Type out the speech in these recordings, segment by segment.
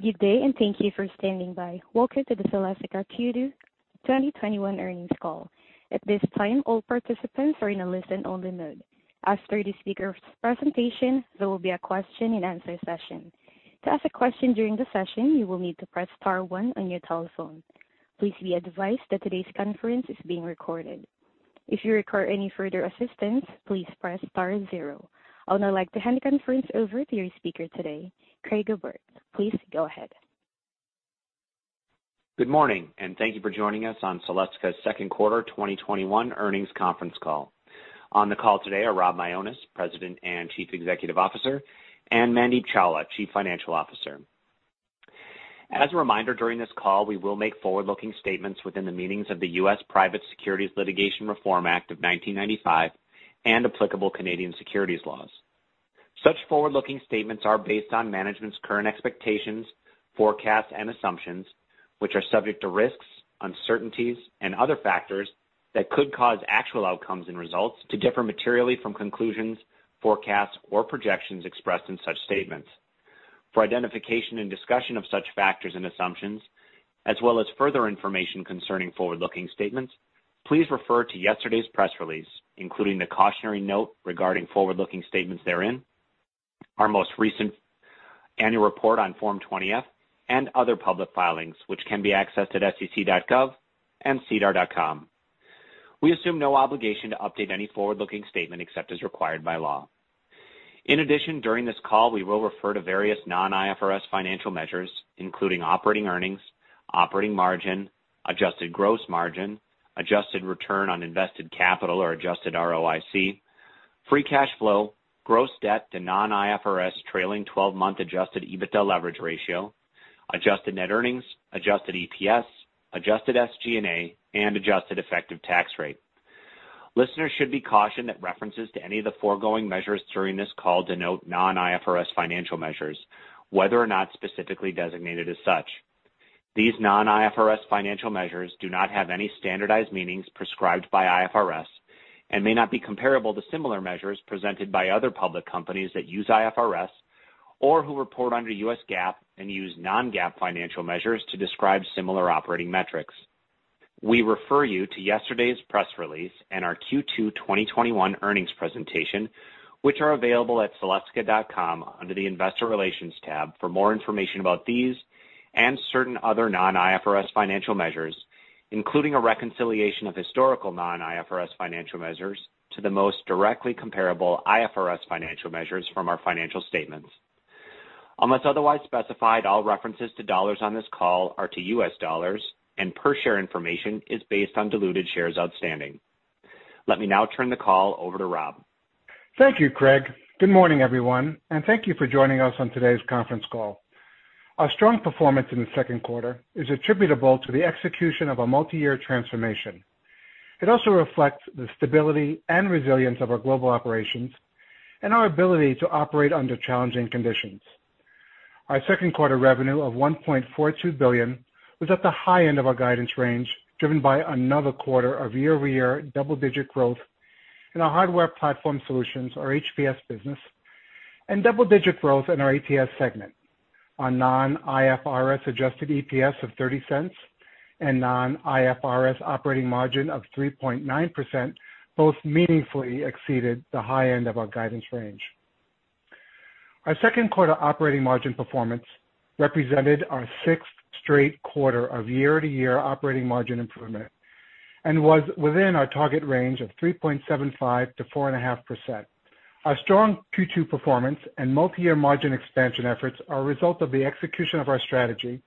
Good day, and thank you for standing by. Welcome to the Celestica Q2 2021 earnings call. I would now like to hand the conference over to your speaker today, Craig Oberg. Please go ahead. Good morning, and thank you for joining us on Celestica's second quarter 2021 earnings conference call. On the call today are Rob Mionis, President and Chief Executive Officer, and Mandeep Chawla, Chief Financial Officer. As a reminder, during this call, we will make forward-looking statements within the meaning of the U.S. Private Securities Litigation Reform Act of 1995 and applicable Canadian securities laws. Such forward-looking statements are based on management's current expectations, forecasts, and assumptions, which are subject to risks, uncertainties, and other factors that could cause actual outcomes and results to differ materially from conclusions, forecasts, or projections expressed in such statements. For identification and discussion of such factors and assumptions, as well as further information concerning forward-looking statements, please refer to yesterday's press release, including the cautionary note regarding forward-looking statements therein, our most recent annual report on Form 20-F, and other public filings, which can be accessed at sec.gov and sedar.com. We assume no obligation to update any forward-looking statement except as required by law. In addition, during this call, we will refer to various non-IFRS financial measures, including operating earnings, operating margin, adjusted gross margin, adjusted return on invested capital or adjusted ROIC, free cash flow, gross debt to non-IFRS trailing 12-month adjusted EBITDA leverage ratio, adjusted net earnings, adjusted EPS, adjusted SG&A, and adjusted effective tax rate. Listeners should be cautioned that references to any of the foregoing measures during this call denote non-IFRS financial measures, whether or not specifically designated as such. These non-IFRS financial measures do not have any standardized meanings prescribed by IFRS and may not be comparable to similar measures presented by other public companies that use IFRS or who report under US GAAP and use non-GAAP financial measures to describe similar operating metrics. We refer you to yesterday's press release and our Q2 2021 earnings presentation, which are available at celestica.com under the investor relations tab for more information about these and certain other non-IFRS financial measures, including a reconciliation of historical non-IFRS financial measures to the most directly comparable IFRS financial measures from our financial statements. Unless otherwise specified, all references to dollars on this call are to US dollars, and per share information is based on diluted shares outstanding. Let me now turn the call over to Rob. Thank you, Craig. Good morning, everyone, and thank you for joining us on today's conference call. Our strong performance in the second quarter is attributable to the execution of a multi-year transformation. It also reflects the stability and resilience of our global operations and our ability to operate under challenging conditions. Our second-quarter revenue of $1.42 billion was at the high end of our guidance range, driven by another quarter of year-over-year double-digit growth in our Hardware Platform Solutions, or HPS business, and double-digit growth in our ATS segment. Our non-IFRS adjusted EPS of $0.30 and non-IFRS operating margin of 3.9% both meaningfully exceeded the high end of our guidance range. Our second-quarter operating margin performance represented our sixth straight quarter of year-to-year operating margin improvement and was within our target range of 3.75%-4.5%. Our strong Q2 performance and multi-year margin expansion efforts are a result of the execution of our strategy,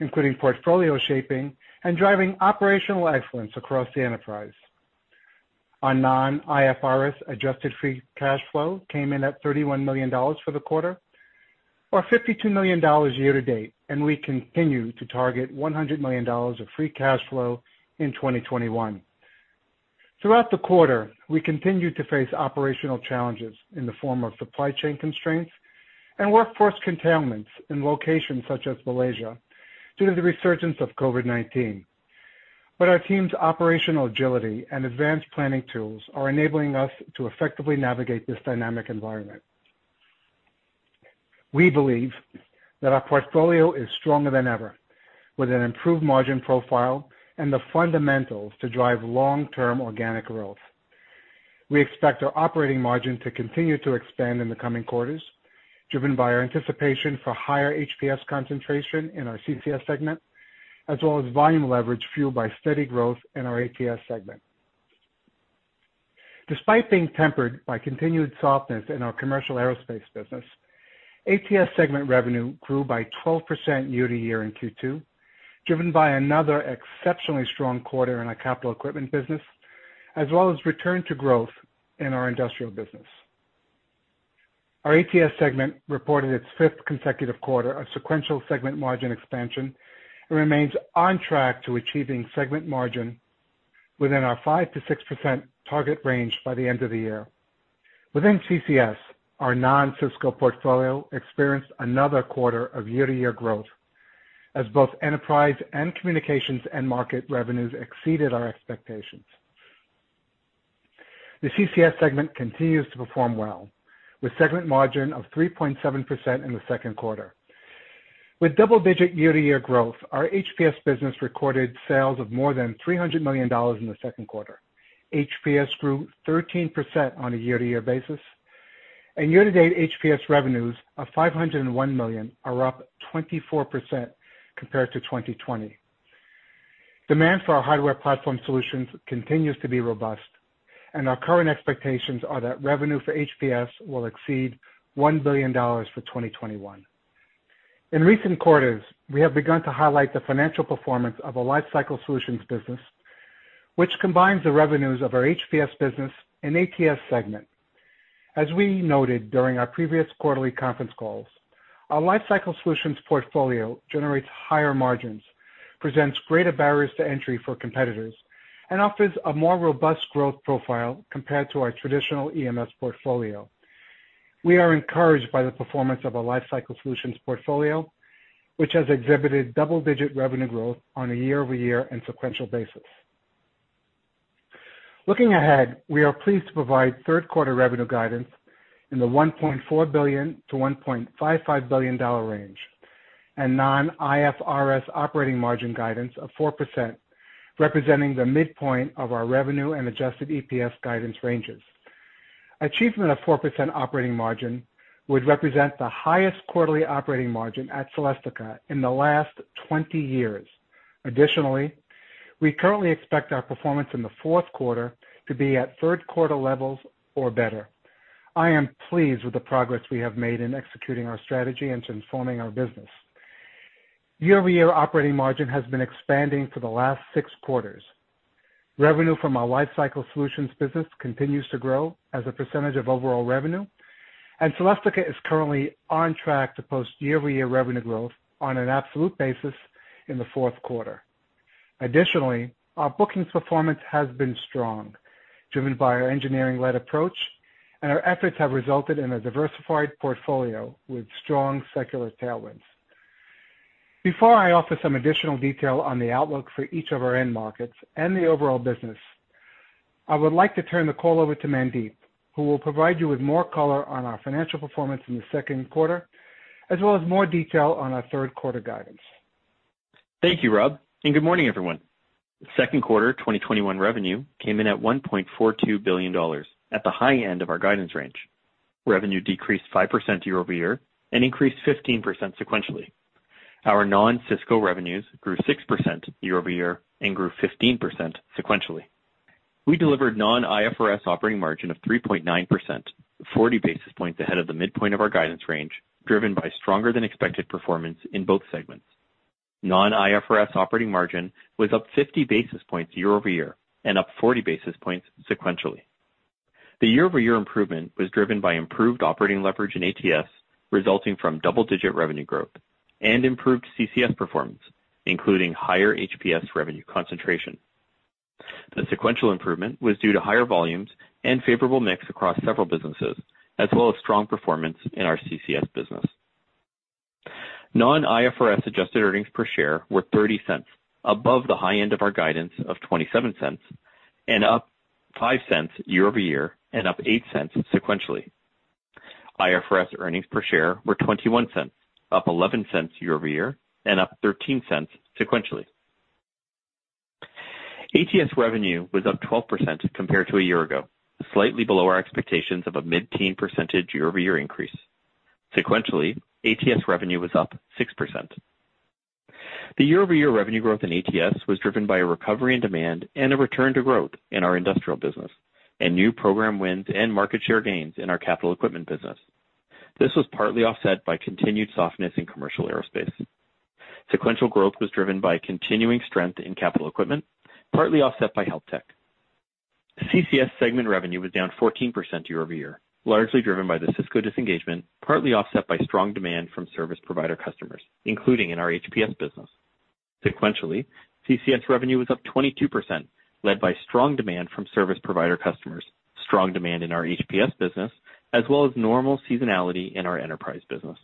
including portfolio shaping and driving operational excellence across the enterprise. Our non-IFRS adjusted free cash flow came in at $31 million for the quarter or $52 million year-to-date, and we continue to target $100 million of free cash flow in 2021. Throughout the quarter, we continued to face operational challenges in the form of supply chain constraints and workforce containment in locations such as Malaysia due to the resurgence of COVID-19. Our team's operational agility and advanced planning tools are enabling us to effectively navigate this dynamic environment. We believe that our portfolio is stronger than ever, with an improved margin profile and the fundamentals to drive long-term organic growth. We expect our operating margin to continue to expand in the coming quarters, driven by our anticipation of higher HPS concentration in our CCS segment, as well as volume leverage fueled by steady growth in our ATS segment. Despite being tempered by continued softness in our commercial aerospace business, ATS segment revenue grew by 12% year-over-year in Q2, driven by another exceptionally strong quarter in our capital equipment business, as well as a return to growth in our industrial business. Our ATS segment reported its fifth consecutive quarter of sequential segment margin expansion and remains on track to achieving a segment margin within our 5%-6% target range by the end of the year. Within CCS, our non-Cisco portfolio experienced another quarter of year-to-year growth, as both enterprise and communications end market revenues exceeded our expectations. The CCS segment continues to perform well, with a segment margin of 3.7% in the second quarter. With double-digit year-to-year growth, our HPS business recorded sales of more than $300 million in the second quarter. HPS grew 13% on a year-to-year basis, and year-to-date HPS revenues of $501 million are up 24% compared to 2020. Demand for our Hardware Platform Solutions continues to be robust, and our current expectations are that revenue for HPS will exceed $1 billion for 2021. In recent quarters, we have begun to highlight the financial performance of our Life Cycle Solutions business, which combines the revenues of our HPS business and ATS segment. As we noted during our previous quarterly conference calls, our Life Cycle Solutions portfolio generates higher margins, presents greater barriers to entry for competitors, and offers a more robust growth profile compared to our traditional EMS portfolio. We are encouraged by the performance of our Life Cycle Solutions portfolio, which has exhibited double-digit revenue growth on a year-over-year and sequential basis. Looking ahead, we are pleased to provide third-quarter revenue guidance in the $1.4 billion-$1.55 billion range, and non-IFRS operating margin guidance of 4%, representing the midpoint of our revenue and adjusted EPS guidance ranges. Achievement of 4% operating margin would represent the highest quarterly operating margin at Celestica in the last 20 years. Additionally, we currently expect our performance in the fourth quarter to be at third-quarter levels or better. I am pleased with the progress we have made in executing our strategy and transforming our business. Year-over-year operating margin has been expanding for the last six quarters. Revenue from our Life Cycle Solutions business continues to grow as a percentage of overall revenue, and Celestica is currently on track to post year-over-year revenue growth on an absolute basis in the fourth quarter. Additionally, our bookings performance has been strong, driven by our engineering-led approach, and our efforts have resulted in a diversified portfolio with strong secular tailwinds. Before I offer some additional detail on the outlook for each of our end markets and the overall business, I would like to turn the call over to Mandeep, who will provide you with more color on our financial performance in the second quarter, as well as more detail on our third quarter guidance. Thank you, Rob, and good morning, everyone. Second quarter 2021 revenue came in at $1.42 billion, at the high end of our guidance range. Revenue decreased 5% year-over-year and increased 15% sequentially. Our non-Cisco revenues grew 6% year-over-year and grew 15% sequentially. We delivered a non-IFRS operating margin of 3.9%, 40 basis points ahead of the midpoint of our guidance range, driven by stronger-than-expected performance in both segments. Non-IFRS operating margin was up 50 basis points year-over-year and up 40 basis points sequentially. The year-over-year improvement was driven by improved operating leverage in ATS, resulting from double-digit revenue growth and improved CCS performance, including higher HPS revenue concentration. The sequential improvement was due to higher volumes and favorable mix across several businesses, as well as strong performance in our CCS business. Non-IFRS adjusted earnings per share were $0.30, above the high end of our guidance of $0.27, up $0.05 year-over-year and up $0.08 sequentially. IFRS earnings per share were $0.21, up $0.11 year-over-year and up $0.13 sequentially. ATS revenue was up 12% compared to a year ago, slightly below our expectations of a mid-teen percentage year-over-year increase. Sequentially, ATS revenue was up 6%. The year-over-year revenue growth in ATS was driven by a recovery in demand and a return to growth in our industrial business and new program wins and market share gains in our capital equipment business. This was partly offset by continued softness in commercial aerospace. Sequential growth was driven by continuing strength in capital equipment, partly offset by health tech. CCS segment revenue was down 14% year-over-year, largely driven by the Cisco disengagement, partly offset by strong demand from service provider customers, including in our HPS business. Sequentially, CCS revenue was up 22%, led by strong demand from service provider customers, strong demand in our HPS business, as well as normal seasonality in our enterprise business.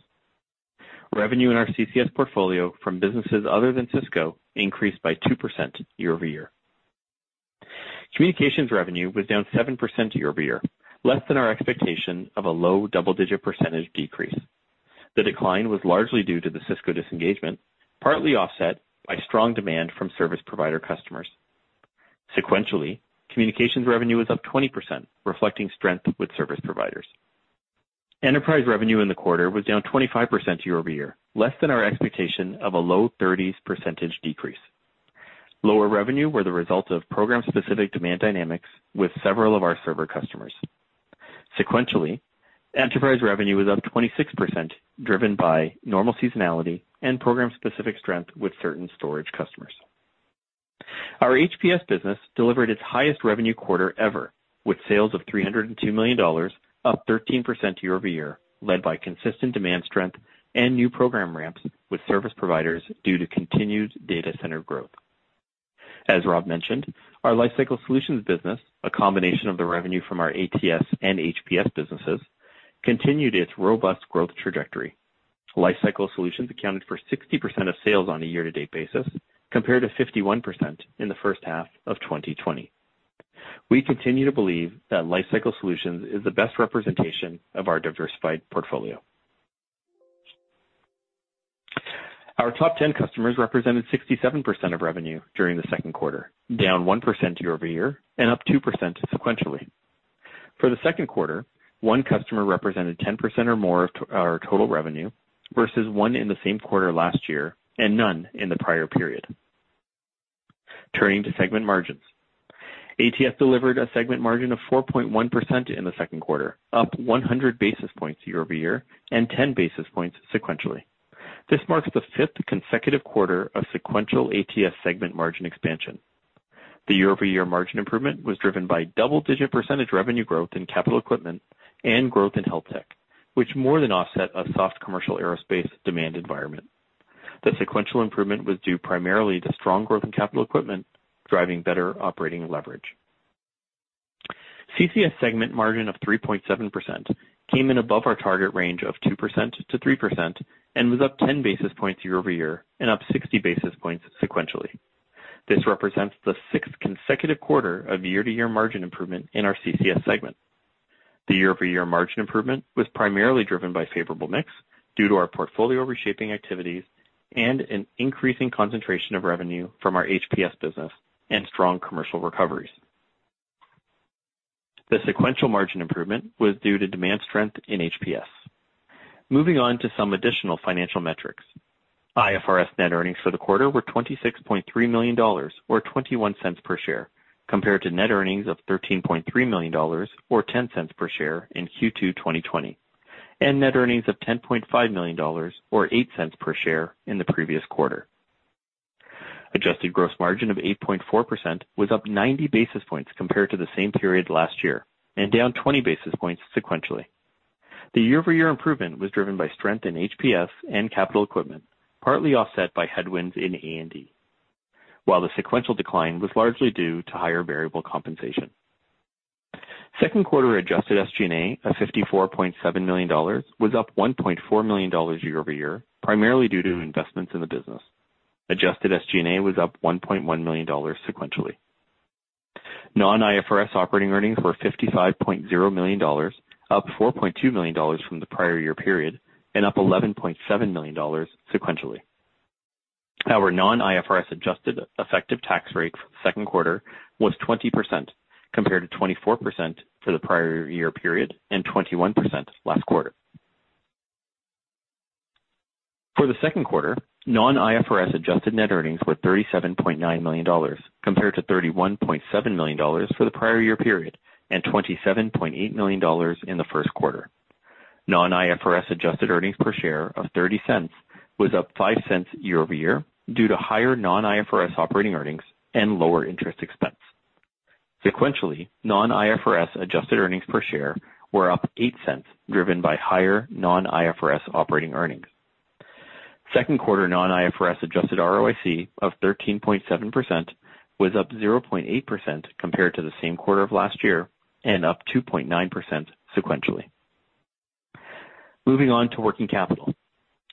Revenue in our CCS portfolio from businesses other than Cisco increased by 2% year-over-year. Communications revenue was down 7% year-over-year, less than our expectation of a low double-digit percentage decrease. The decline was largely due to the Cisco disengagement, partly offset by strong demand from service provider customers. Sequentially, communications revenue was up 20%, reflecting strength with service providers. Enterprise revenue in the quarter was down 25% year-over-year, less than our expectation of a low 30s percentage decrease. Lower revenue was the result of program-specific demand dynamics with several of our server customers. Sequentially, enterprise revenue was up 26%, driven by normal seasonality and program-specific strength with certain storage customers. Our HPS business delivered its highest revenue quarter ever with sales of $302 million, up 13% year-over-year, led by consistent demand strength and new program ramps with service providers due to continued data center growth. As Rob mentioned, our Life Cycle Solutions business, a combination of the revenue from our ATS and HPS businesses, continued its robust growth trajectory. Life Cycle Solutions accounted for 60% of sales on a year-to-date basis, compared to 51% in the first half of 2020. We continue to believe that Life Cycle Solutions is the best representation of our diversified portfolio. Our top 10 customers represented 67% of revenue during the second quarter, down 1% year-over-year, and up 2% sequentially. For the second quarter, 1 customer represented 10% or more of our total revenue, versus 1 in the same quarter last year, and 0 in the prior period. Turning to segment margins. ATS delivered a segment margin of 4.1% in the second quarter, up 100 basis points year-over-year, and 10 basis points sequentially. This marks the 5th consecutive quarter of sequential ATS segment margin expansion. The year-over-year margin improvement was driven by double-digit percentage revenue growth in capital equipment and growth in health tech, which more than offset a soft commercial aerospace demand environment. The sequential improvement was due primarily to strong growth in capital equipment, driving better operating leverage. CCS segment margin of 3.7% came in above our target range of 2%-3% and was up 10 basis points year-over-year and up 60 basis points sequentially. This represents the sixth consecutive quarter of year-to-year margin improvement in our CCS segment. The year-over-year margin improvement was primarily driven by favorable mix due to our portfolio reshaping activities and an increasing concentration of revenue from our HPS business and strong commercial recoveries. The sequential margin improvement was due to demand strength in HPS. Moving on to some additional financial metrics. IFRS net earnings for the quarter were $26.3 million, or $0.21 per share, compared to net earnings of $13.3 million, or $0.10 per share in Q2 2020, and net earnings of $10.5 million, or $0.08 per share in the previous quarter. Adjusted gross margin of 8.4% was up 90 basis points compared to the same period last year, and down 20 basis points sequentially. The year-over-year improvement was driven by strength in HPS and capital equipment, partly offset by headwinds in E&D, while the sequential decline was largely due to higher variable compensation. Second quarter adjusted SG&A of $54.7 million was up $1.4 million year-over-year, primarily due to investments in the business. Adjusted SG&A was up $1.1 million sequentially. Non-IFRS operating earnings were $55.0 million, up $4.2 million from the prior year period and up $11.7 million sequentially. Our non-IFRS adjusted effective tax rate for the second quarter was 20%, compared to 24% for the prior year period and 21% last quarter. For the second quarter, non-IFRS adjusted net earnings were $37.9 million, compared to $31.7 million for the prior year period, and $27.8 million in the first quarter. Non-IFRS adjusted earnings per share of $0.30 was up $0.05 year-over-year due to higher non-IFRS operating earnings and lower interest expense. Sequentially, non-IFRS adjusted earnings per share were up $0.08, driven by higher non-IFRS operating earnings. Second quarter non-IFRS adjusted ROIC of 13.7% was up 0.8% compared to the same quarter of last year, and up 2.9% sequentially. Moving on to working capital.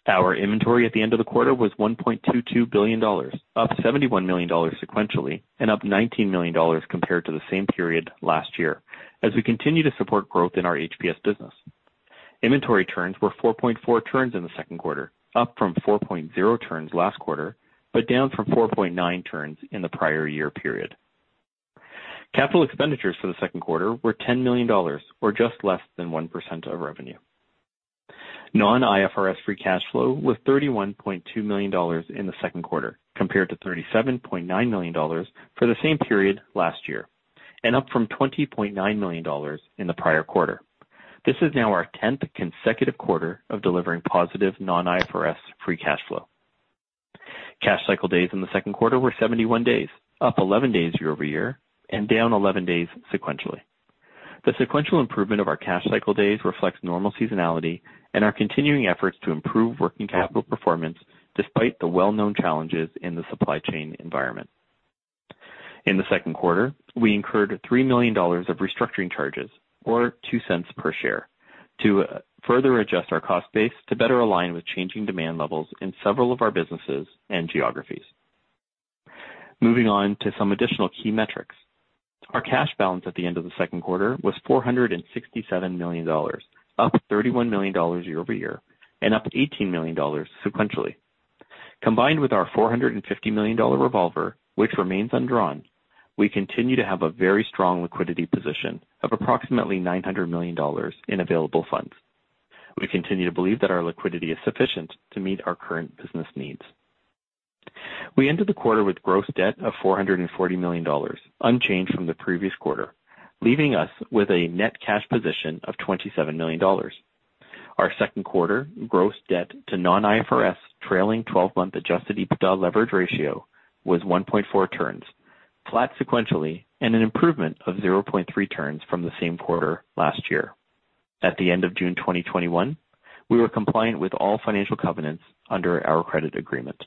Our inventory at the end of the quarter was $1.22 billion, up $71 million sequentially and up $19 million compared to the same period last year, as we continue to support growth in our HPS business. Inventory turns were 4.4 turns in the second quarter, up from 4.0 turns last quarter, but down from 4.9 turns in the prior year period. Capital expenditures for the second quarter were $10 million, or just less than 1% of revenue. Non-IFRS free cash flow was $31.2 million in the second quarter, compared to $37.9 million for the same period last year, and up from $20.9 million in the prior quarter. This is now our 10th consecutive quarter of delivering positive non-IFRS free cash flow. Cash cycle days in the second quarter were 71 days, up 11 days year-over-year, and down 11 days sequentially. The sequential improvement of our cash cycle days reflects normal seasonality and our continuing efforts to improve working capital performance despite the well-known challenges in the supply chain environment. In the second quarter, we incurred $3 million of restructuring charges or $0.02 per share to further adjust our cost base to better align with changing demand levels in several of our businesses and geographies. Moving on to some additional key metrics. Our cash balance at the end of the second quarter was $467 million, up $31 million year-over-year, and up $18 million sequentially. Combined with our $450 million revolver, which remains undrawn, we continue to have a very strong liquidity position of approximately $900 million in available funds. We continue to believe that our liquidity is sufficient to meet our current business needs. We ended the quarter with gross debt of $440 million, unchanged from the previous quarter, leaving us with a net cash position of $27 million. Our second quarter gross debt to non-IFRS trailing 12-month adjusted EBITDA leverage ratio was 1.4 turns, flat sequentially, and an improvement of 0.3 turns from the same quarter last year. At the end of June 2021, we were compliant with all financial covenants under our credit agreement.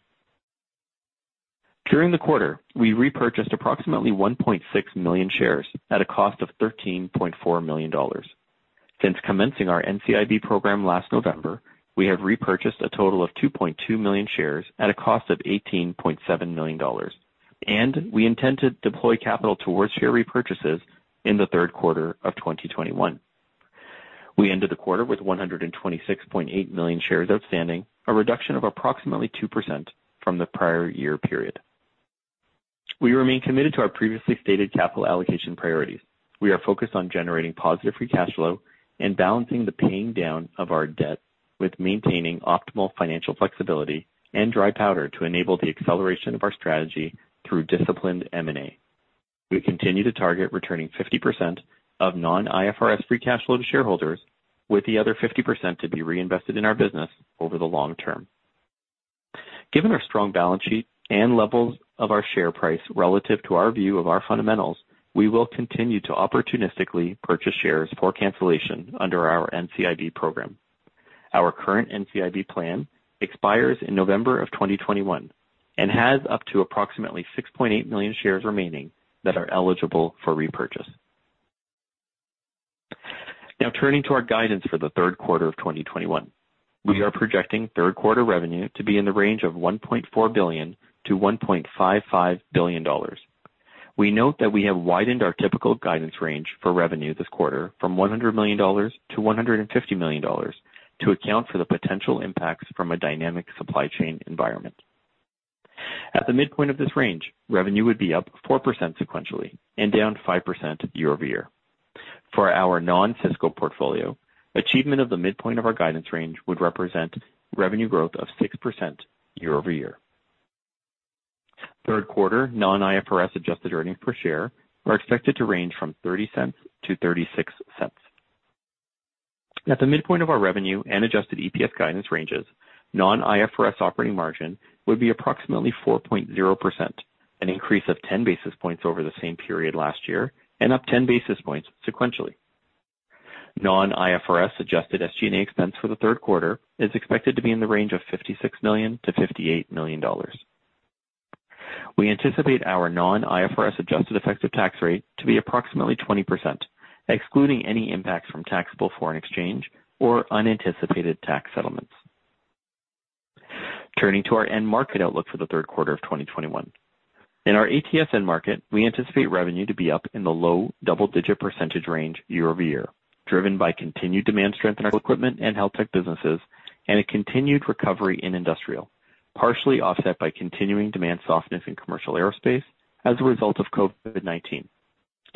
During the quarter, we repurchased approximately 1.6 million shares at a cost of $13.4 million. Since commencing our NCIB program last November, we have repurchased a total of 2.2 million shares at a cost of $18.7 million, and we intend to deploy capital towards share repurchases in the third quarter of 2021. We ended the quarter with 126.8 million shares outstanding, a reduction of approximately 2% from the prior year period. We remain committed to our previously stated capital allocation priorities. We are focused on generating positive free cash flow and balancing the paying down of our debt with maintaining optimal financial flexibility and dry powder to enable the acceleration of our strategy through disciplined M&A. We continue to target returning 50% of non-IFRS free cash flow to shareholders, with the other 50% to be reinvested in our business over the long term. Given our strong balance sheet and levels of our share price relative to our view of our fundamentals, we will continue to opportunistically purchase shares for cancellation under our NCIB program. Our current NCIB plan expires in November of 2021 and has up to approximately 6.8 million shares remaining that are eligible for repurchase. Turning to our guidance for the third quarter of 2021. We are projecting third quarter revenue to be in the range of $1.4 billion-$1.55 billion. We note that we have widened our typical guidance range for revenue this quarter from $100 million-$150 million to account for the potential impacts from a dynamic supply chain environment. At the midpoint of this range, revenue would be up 4% sequentially and down 5% year-over-year. For our non-Cisco portfolio, achievement of the midpoint of our guidance range would represent revenue growth of 6% year-over-year. Third quarter non-IFRS adjusted earnings per share are expected to range from $0.30-$0.36. At the midpoint of our revenue and adjusted EPS guidance ranges, non-IFRS operating margin would be approximately 4.0%, an increase of 10 basis points over the same period last year, and up 10 basis points sequentially. Non-IFRS adjusted SG&A expense for the third quarter is expected to be in the range of $56 million-$58 million. We anticipate our non-IFRS adjusted effective tax rate to be approximately 20%, excluding any impacts from taxable foreign exchange or unanticipated tax settlements. Turning to our end market outlook for the third quarter of 2021. In our ATS end market, we anticipate revenue to be up in the low double-digit percentage range year-over-year, driven by continued demand strength in our equipment and health tech businesses and a continued recovery in industrial, partially offset by continuing demand softness in commercial aerospace as a result of COVID-19.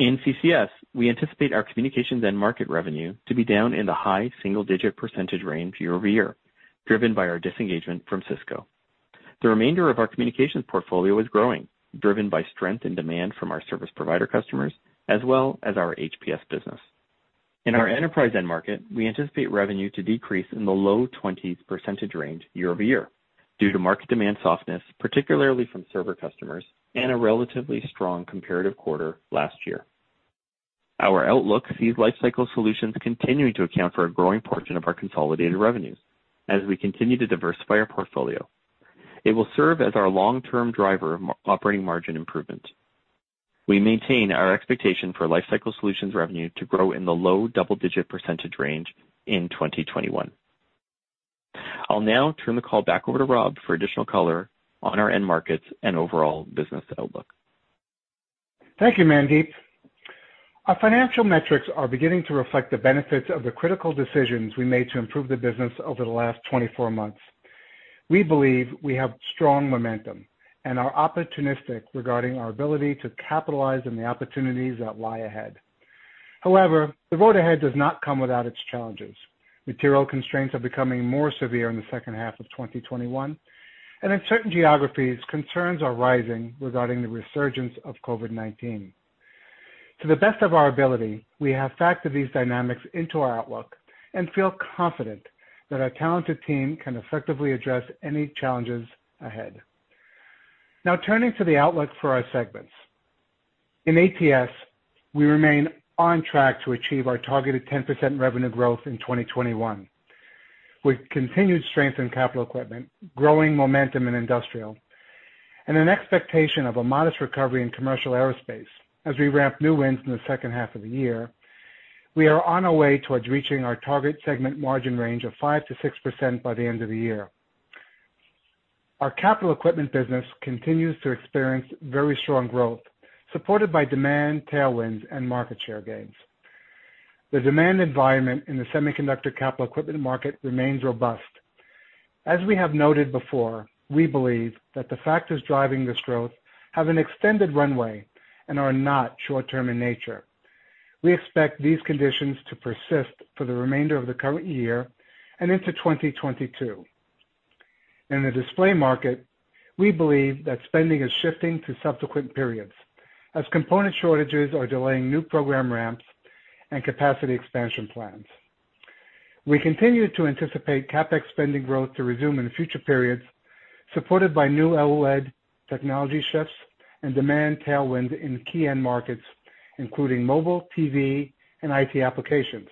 In CCS, we anticipate our communications end market revenue to be down in the high single-digit percentage range year-over-year, driven by our disengagement from Cisco. The remainder of our communications portfolio is growing, driven by strength in demand from our service provider customers as well as our HPS business. In our enterprise end market, we anticipate revenue to decrease in the low 20s percentage range year-over-year due to market demand softness, particularly from server customers, and a relatively strong comparative quarter last year. Our outlook sees Life Cycle Solutions continuing to account for a growing portion of our consolidated revenues as we continue to diversify our portfolio. It will serve as our long-term driver of operating margin improvement. We maintain our expectation for Life Cycle Solutions revenue to grow in the low double-digit % range in 2021. I'll now turn the call back over to Rob for additional color on our end markets and overall business outlook. Thank you, Mandeep. Our financial metrics are beginning to reflect the benefits of the critical decisions we made to improve the business over the last 24 months. We believe we have strong momentum and are opportunistic regarding our ability to capitalize on the opportunities that lie ahead. However, the road ahead does not come without its challenges. Material constraints are becoming more severe in the second half of 2021, and in certain geographies, concerns are rising regarding the resurgence of COVID-19. To the best of our ability, we have factored these dynamics into our outlook and feel confident that our talented team can effectively address any challenges ahead. Now, turning to the outlook for our segments. In ATS, we remain on track to achieve our targeted 10% revenue growth in 2021. With continued strength in capital equipment, growing momentum in industrial, and an expectation of a modest recovery in commercial aerospace as we ramp new wins in the second half of the year, we are on our way towards reaching our target segment margin range of 5%-6% by the end of the year. Our capital equipment business continues to experience very strong growth, supported by demand tailwinds and market share gains. The demand environment in the semiconductor capital equipment market remains robust. As we have noted before, we believe that the factors driving this growth have an extended runway and are not short-term in nature. We expect these conditions to persist for the remainder of the current year and into 2022. In the display market, we believe that spending is shifting to subsequent periods as component shortages are delaying new program ramps and capacity expansion plans. We continue to anticipate CapEx spending growth to resume in future periods, supported by new LED technology shifts and demand tailwind in key end markets, including mobile, TV, and IT applications.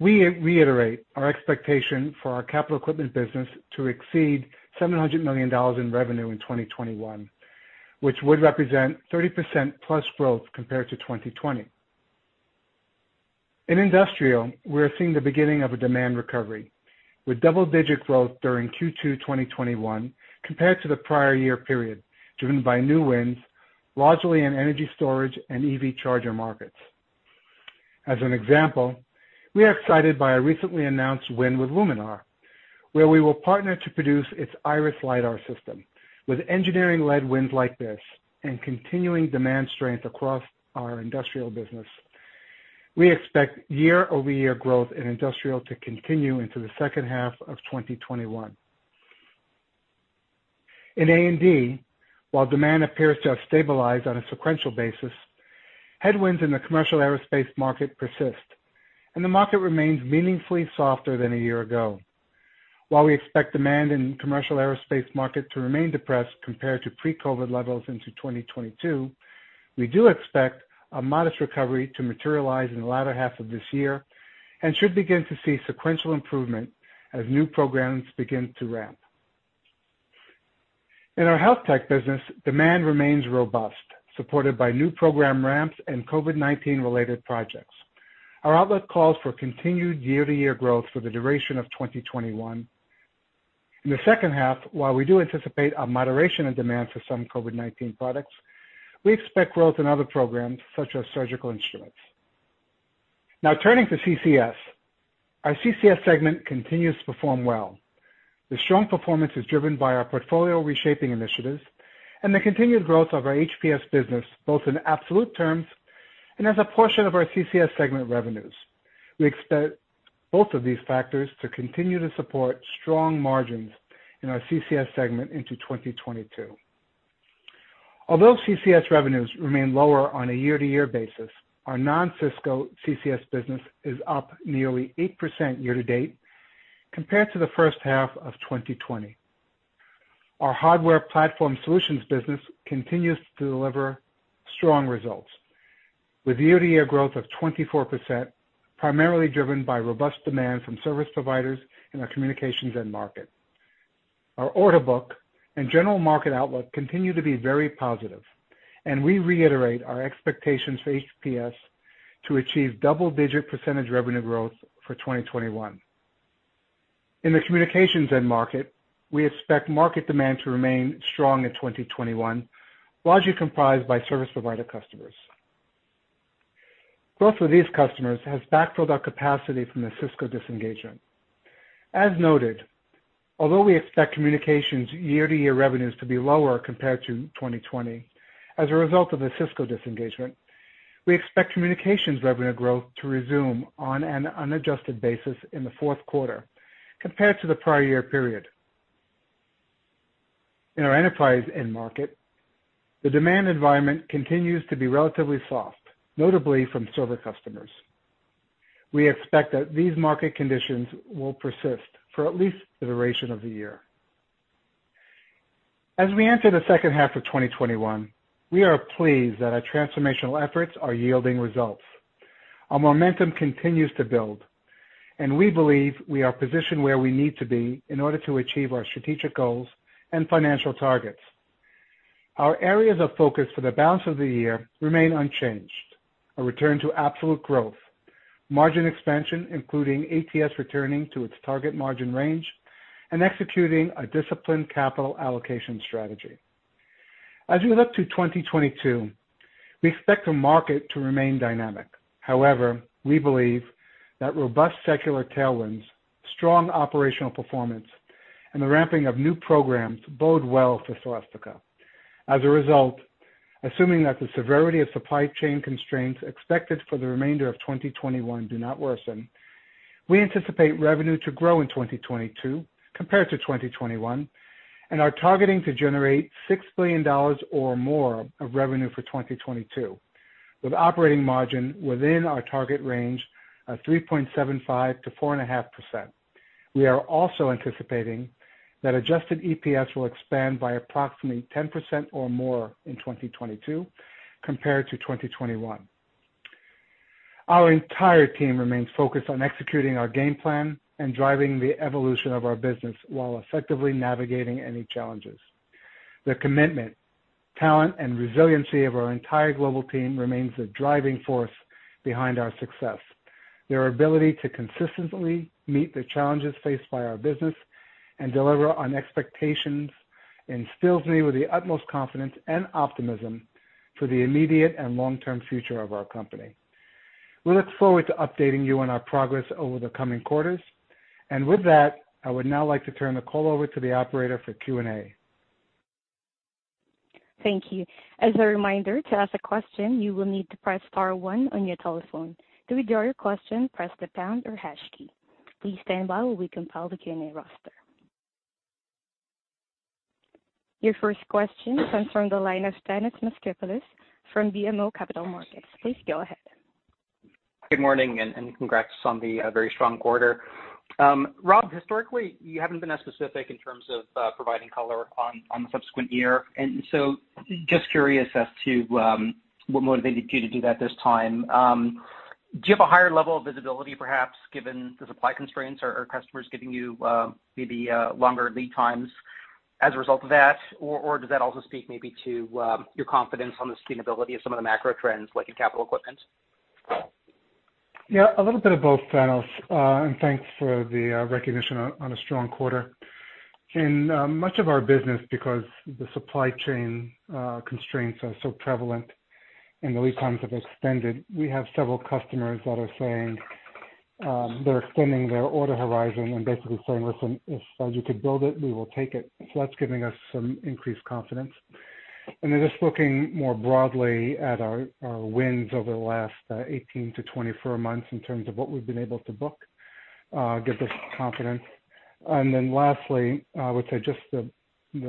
We reiterate our expectation for our capital equipment business to exceed $700 million in revenue in 2021, which would represent 30%+ growth compared to 2020. In industrial, we're seeing the beginning of a demand recovery with double-digit growth during Q2 2021 compared to the prior year period, driven by new wins, largely in energy storage and EV charger markets. As an example, we are excited by a recently announced win with Luminar, where we will partner to produce its Iris LiDAR system. With engineering-led wins like this and continuing demand strength across our industrial business, we expect year-over-year growth in industrial to continue into the second half of 2021. In A&D, while demand appears to have stabilized on a sequential basis, headwinds in the commercial aerospace market persist, and the market remains meaningfully softer than a year ago. While we expect demand in commercial aerospace market to remain depressed compared to pre-COVID levels into 2022, we do expect a modest recovery to materialize in the latter half of this year and should begin to see sequential improvement as new programs begin to ramp. In our health tech business, demand remains robust, supported by new program ramps and COVID-19 related projects. Our outlook calls for continued year-to-year growth for the duration of 2021. In the second half, while we do anticipate a moderation in demand for some COVID-19 products, we expect growth in other programs such as surgical instruments. Now turning to CCS. Our CCS segment continues to perform well. The strong performance is driven by our portfolio reshaping initiatives and the continued growth of our HPS business, both in absolute terms and as a portion of our CCS segment revenues. We expect both of these factors to continue to support strong margins in our CCS segment into 2022. Although CCS revenues remain lower on a year-to-year basis, our non-Cisco CCS business is up nearly 8% year to date compared to the first half of 2020. Our Hardware Platform Solutions business continues to deliver strong results with year-to-year growth of 24%, primarily driven by robust demand from service providers in our communications end market. Our order book and general market outlook continue to be very positive, and we reiterate our expectations for HPS to achieve double-digit percentage revenue growth for 2021. In the communications end market, we expect market demand to remain strong in 2021, largely comprised by service provider customers. Growth of these customers has backfilled our capacity from the Cisco disengagement. As noted, although we expect communications year-to-year revenues to be lower compared to 2020 as a result of the Cisco disengagement, we expect communications revenue growth to resume on an unadjusted basis in the fourth quarter compared to the prior year period. In our enterprise end market, the demand environment continues to be relatively soft, notably from server customers. We expect that these market conditions will persist for at least the duration of the year. As we enter the second half of 2021, we are pleased that our transformational efforts are yielding results. Our momentum continues to build, and we believe we are positioned where we need to be in order to achieve our strategic goals and financial targets. Our areas of focus for the balance of the year remain unchanged. A return to absolute growth, margin expansion, including ATS returning to its target margin range, and executing a disciplined capital allocation strategy. As we look to 2022, we expect the market to remain dynamic. However, we believe that robust secular tailwinds, strong operational performance, and the ramping of new programs bode well for Celestica. As a result, assuming that the severity of supply chain constraints expected for the remainder of 2021 do not worsen, we anticipate revenue to grow in 2022 compared to 2021, and are targeting to generate $6 billion or more of revenue for 2022, with operating margin within our target range of 3.75%-4.5%. We are also anticipating that adjusted EPS will expand by approximately 10% or more in 2022 compared to 2021. Our entire team remains focused on executing our game plan and driving the evolution of our business while effectively navigating any challenges. The commitment, talent, and resiliency of our entire global team remains the driving force behind our success. Their ability to consistently meet the challenges faced by our business and deliver on expectations instills me with the utmost confidence and optimism for the immediate and long-term future of our company. We look forward to updating you on our progress over the coming quarters. With that, I would now like to turn the call over to the operator for Q&A. Thank you. As a reminder, to ask a question, you will need to press star one on your telephone. To withdraw your question, press the pound or hash key. Please stand by while we compile the Q&A roster. Your first question comes from the line of Thanos Moschopoulos from BMO Capital Markets. Please go ahead. Good morning, congrats on the very strong quarter. Rob, historically, you haven't been as specific in terms of providing color on the subsequent year. Just curious as to what motivated you to do that this time. Do you have a higher level of visibility, perhaps, given the supply constraints? Are customers giving you maybe longer lead times as a result of that? Does that also speak maybe to your confidence on the sustainability of some of the macro trends, like in capital equipment? Yeah. A little bit of both, Thanos. Thanks for the recognition on a strong quarter. In much of our business, because the supply chain constraints are so prevalent and the lead times have extended, we have several customers that are saying they're extending their order horizon and basically saying, "Listen, if you could build it, we will take it." That's giving us some increased confidence. Just looking more broadly at our wins over the last 18-24 months in terms of what we've been able to book gives us confidence. Lastly, I would say just the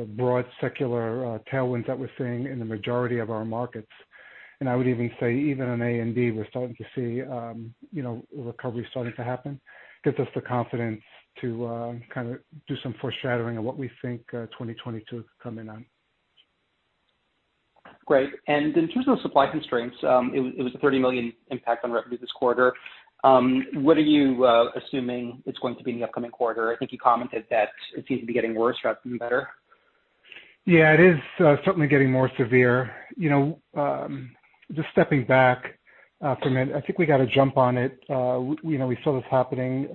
broad secular tailwinds that we're seeing in the majority of our markets, and I would even say even in A&D, we're starting to see recovery starting to happen, gives us the confidence to do some foreshadowing of what we think 2022 could come in on. Great. In terms of supply constraints, it was a $30 million impact on revenue this quarter. What are you assuming it's going to be in the upcoming quarter? I think you commented that it seems to be getting worse, rather than better. Yeah. It is certainly getting more severe. Just stepping back for a minute, I think we got a jump on it. We saw this happening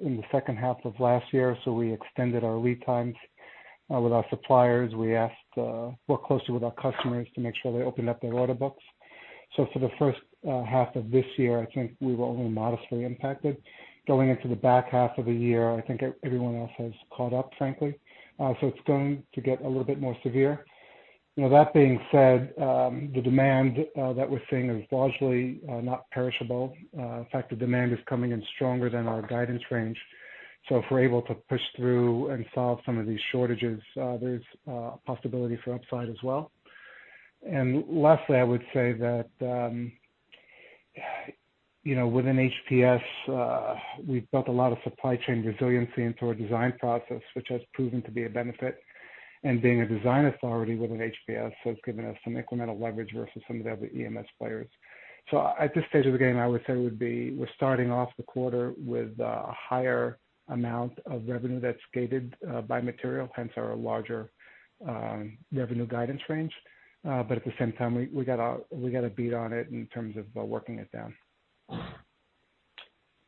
in the second half of last year, so we extended our lead times with our suppliers. We worked closely with our customers to make sure they opened up their order books. For the first half of this year, I think we were only modestly impacted. Going into the back half of the year, I think everyone else has caught up, frankly. It's going to get a little bit more severe. That being said, the demand that we're seeing is largely not perishable. In fact, the demand is coming in stronger than our guidance range. If we're able to push through and solve some of these shortages, there's a possibility for upside as well. Lastly, I would say that within HPS, we've built a lot of supply chain resiliency into our design process, which has proven to be a benefit. Being a design authority within HPS, so it's given us some incremental leverage versus some of the other EMS players. At this stage of the game, I would say we're starting off the quarter with a higher amount of revenue that's gated by material, hence our larger revenue guidance range. At the same time, we got a bead on it in terms of working it down.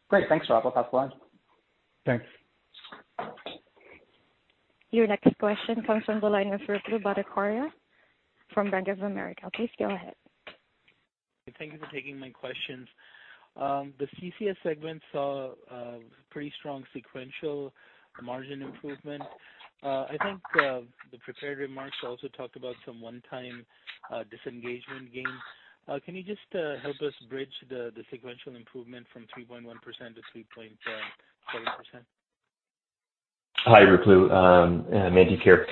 Great. Thanks, Rob. I'll pass the line. Thanks. Your next question comes from the line of Ruplu Bhattacharya from Bank of America. Please go ahead. Thank you for taking my questions. The CCS segment saw a pretty strong sequential margin improvement. I think the prepared remarks also talked about some one-time disengagement gains. Can you just help us bridge the sequential improvement from 3.1% to 3.7%? Hi, Ruplu. Mandeep here.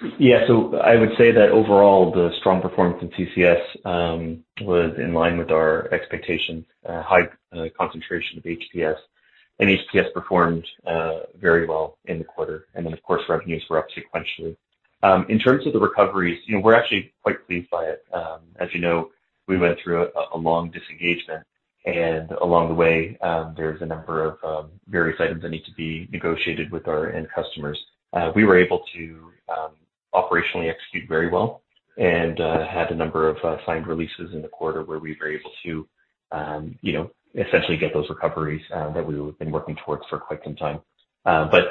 I would say that overall, the strong performance in CCS was in line with our expectations. High concentration of HPS. HPS performed very well in the quarter. Of course, revenues were up sequentially. In terms of the recoveries, we're actually quite pleased by it. As you know, we went through a long disengagement, and along the way, there's a number of various items that need to be negotiated with our end customers. We were able to operationally execute very well and had a number of signed releases in the quarter where we were able to essentially get those recoveries that we've been working towards for quite some time.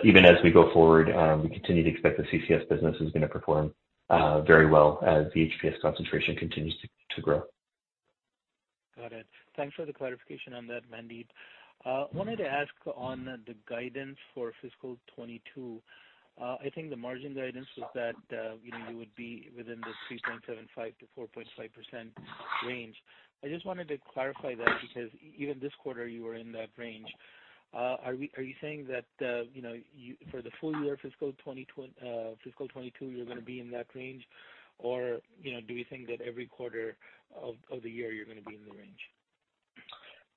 Even as we go forward, we continue to expect the CCS business is going to perform very well as the HPS concentration continues to grow. Got it. Thanks for the clarification on that, Mandeep. Wanted to ask on the guidance for fiscal 2022. I think the margin guidance was that you would be within the 3.75%-4.5% range. I just wanted to clarify that because even this quarter you were in that range. Are you saying that for the full year fiscal 2022, you're going to be in that range? Or do we think that every quarter of the year you're going to be in the range?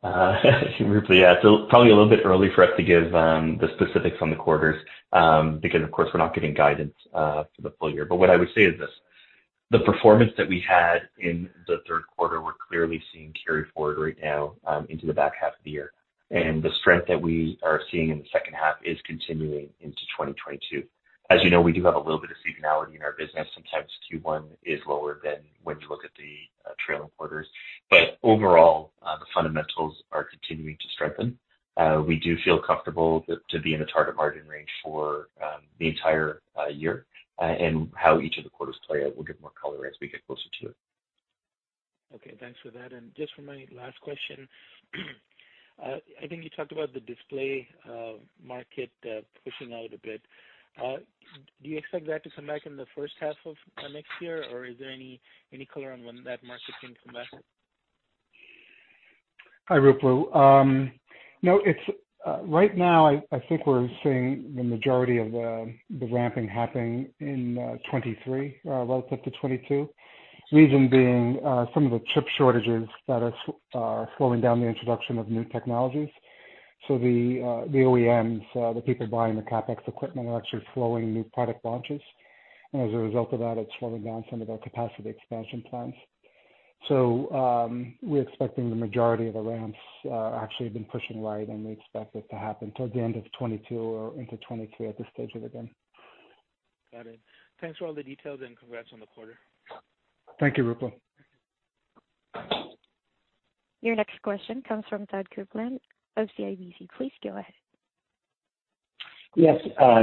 Ruplu, yeah. Probably a little bit early for us to give the specifics on the quarters, because of course, we're not giving guidance for the full year. What I would say is this, the performance that we had in the third quarter, we're clearly seeing carry forward right now into the back half of the year. The strength that we are seeing in the second half is continuing into 2022. As you know, we do have a little bit of seasonality in our business. Sometimes Q1 is lower than when you look at the trailing quarters. Overall, the fundamentals are continuing to strengthen. We do feel comfortable to be in the target margin range for the entire year, and how each of the quarters play out, we'll give more color as we get closer to it. Okay, thanks for that. Just for my last question, I think you talked about the display market pushing out a bit. Do you expect that to come back in the first half of next year, or is there any color on when that market can come back? Hi, Ruplu. No. Right now, I think we're seeing the majority of the ramping happening in 2023 relative to 2022. Reason being, some of the chip shortages that are slowing down the introduction of new technologies. The OEMs, the people buying the CapEx equipment, are actually slowing new product launches. As a result of that, it's slowing down some of our capacity expansion plans. We're expecting the majority of the ramps actually have been pushing right, and we expect it to happen towards the end of 2022 or into 2023 at this stage of the game. Got it. Thanks for all the details. Congrats on the quarter. Thank you, Ruplu. Your next question comes from Todd Coupland of CIBC. Please go ahead. Yes.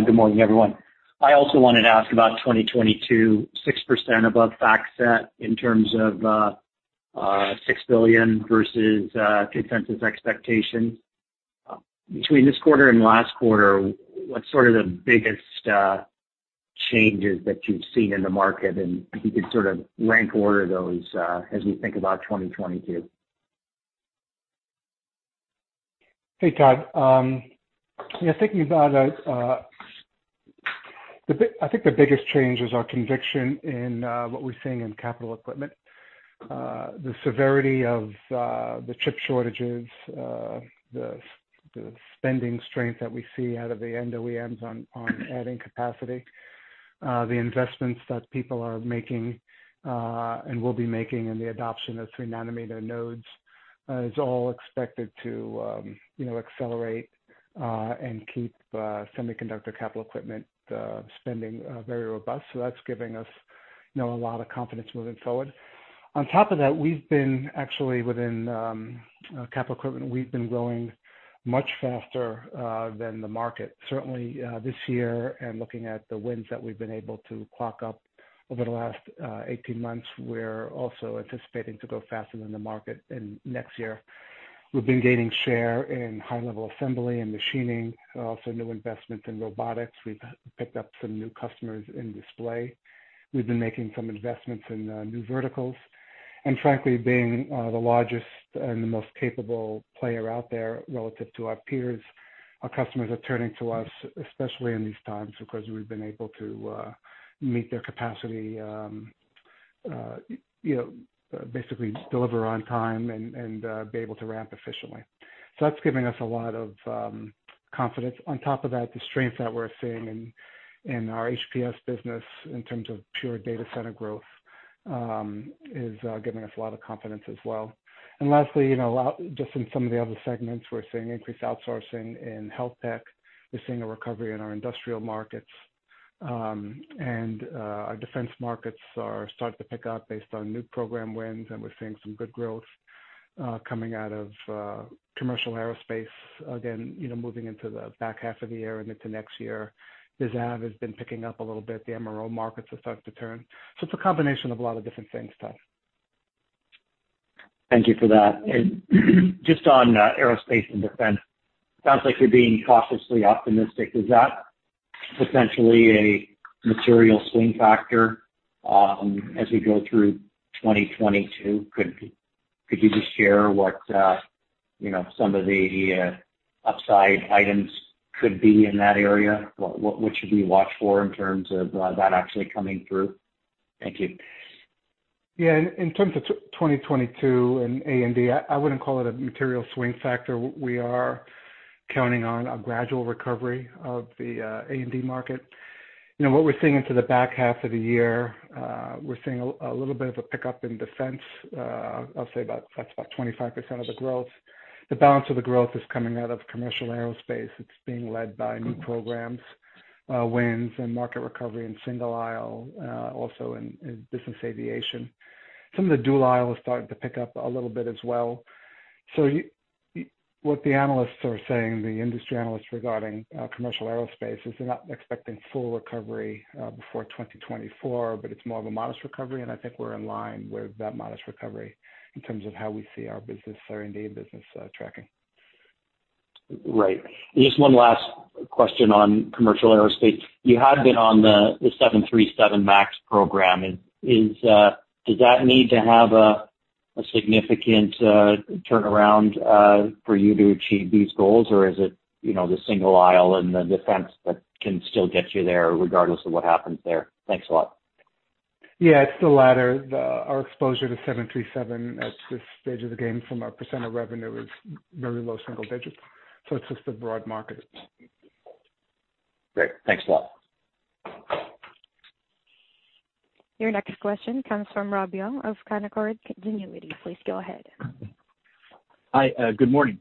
Good morning, everyone. I also wanted to ask about 2022, 6% above FactSet in terms of $6 billion versus consensus expectations. Between this quarter and last quarter, what's sort of the biggest changes that you've seen in the market? If you could sort of rank order those as we think about 2022. Hey, Todd. Thinking about it, I think the biggest change is our conviction in what we're seeing in capital equipment. The severity of the chip shortages, the spending strength that we see out of the end OEMs on adding capacity, the investments that people are making, and will be making in the adoption of 3 nanometer nodes is all expected to accelerate and keep semiconductor capital equipment spending very robust. That's giving us a lot of confidence moving forward. On top of that, we've been actually, within capital equipment, we've been growing much faster than the market. Certainly this year, looking at the wins that we've been able to clock up over the last 18 months, we're also anticipating to grow faster than the market in next year. We've been gaining share in high-level assembly and machining, also new investments in robotics. We've picked up some new customers in display. We've been making some investments in new verticals. Frankly, being the largest and the most capable player out there relative to our peers, our customers are turning to us, especially in these times, because we've been able to meet their capacity, basically deliver on time and be able to ramp efficiently. That's giving us a lot of confidence. On top of that, the strength that we're seeing in our HPS business in terms of pure data center growth, is giving us a lot of confidence as well. Lastly, just in some of the other segments, we're seeing increased outsourcing in health tech. We're seeing a recovery in our industrial markets. Our defense markets are starting to pick up based on new program wins, and we're seeing some good growth coming out of commercial aerospace again, moving into the back half of the year and into next year. DSAV has been picking up a little bit. The MRO markets have started to turn. It's a combination of a lot of different things, Todd. Thank you for that. Just on Aerospace and Defense, sounds like you're being cautiously optimistic. Is that potentially a material swing factor as we go through 2022? Could you just share what some of the upside items could be in that area? What should we watch for in terms of that actually coming through? Thank you. Yeah. In terms of 2022 and A&D, I wouldn't call it a material swing factor. We are counting on a gradual recovery of the A&D market. What we're seeing into the back half of the year, we're seeing a little bit of a pickup in defense. I'll say that's about 25% of the growth. The balance of the growth is coming out of commercial aerospace. It's being led by new programs, wins, and market recovery in single aisle, also in business aviation. Some of the dual aisle is starting to pick up a little bit as well. What the analysts are saying, the industry analysts regarding commercial aerospace, is they're not expecting full recovery before 2024, but it's more of a modest recovery, and I think we're in line with that modest recovery in terms of how we see our business or A&D business tracking. Right. Just one last question on commercial aerospace. You had been on the 737 MAX program. Does that need to have a significant turnaround for you to achieve these goals, or is it the single aisle and the defense that can still get you there regardless of what happens there? Thanks a lot. Yeah, it's the latter. Our exposure to 737 at this stage of the game from a % of revenue is very low single digits. It's just the broad market. Great. Thanks a lot. Your next question comes from Robert Young of Canaccord Genuity. Please go ahead. Hi, good morning.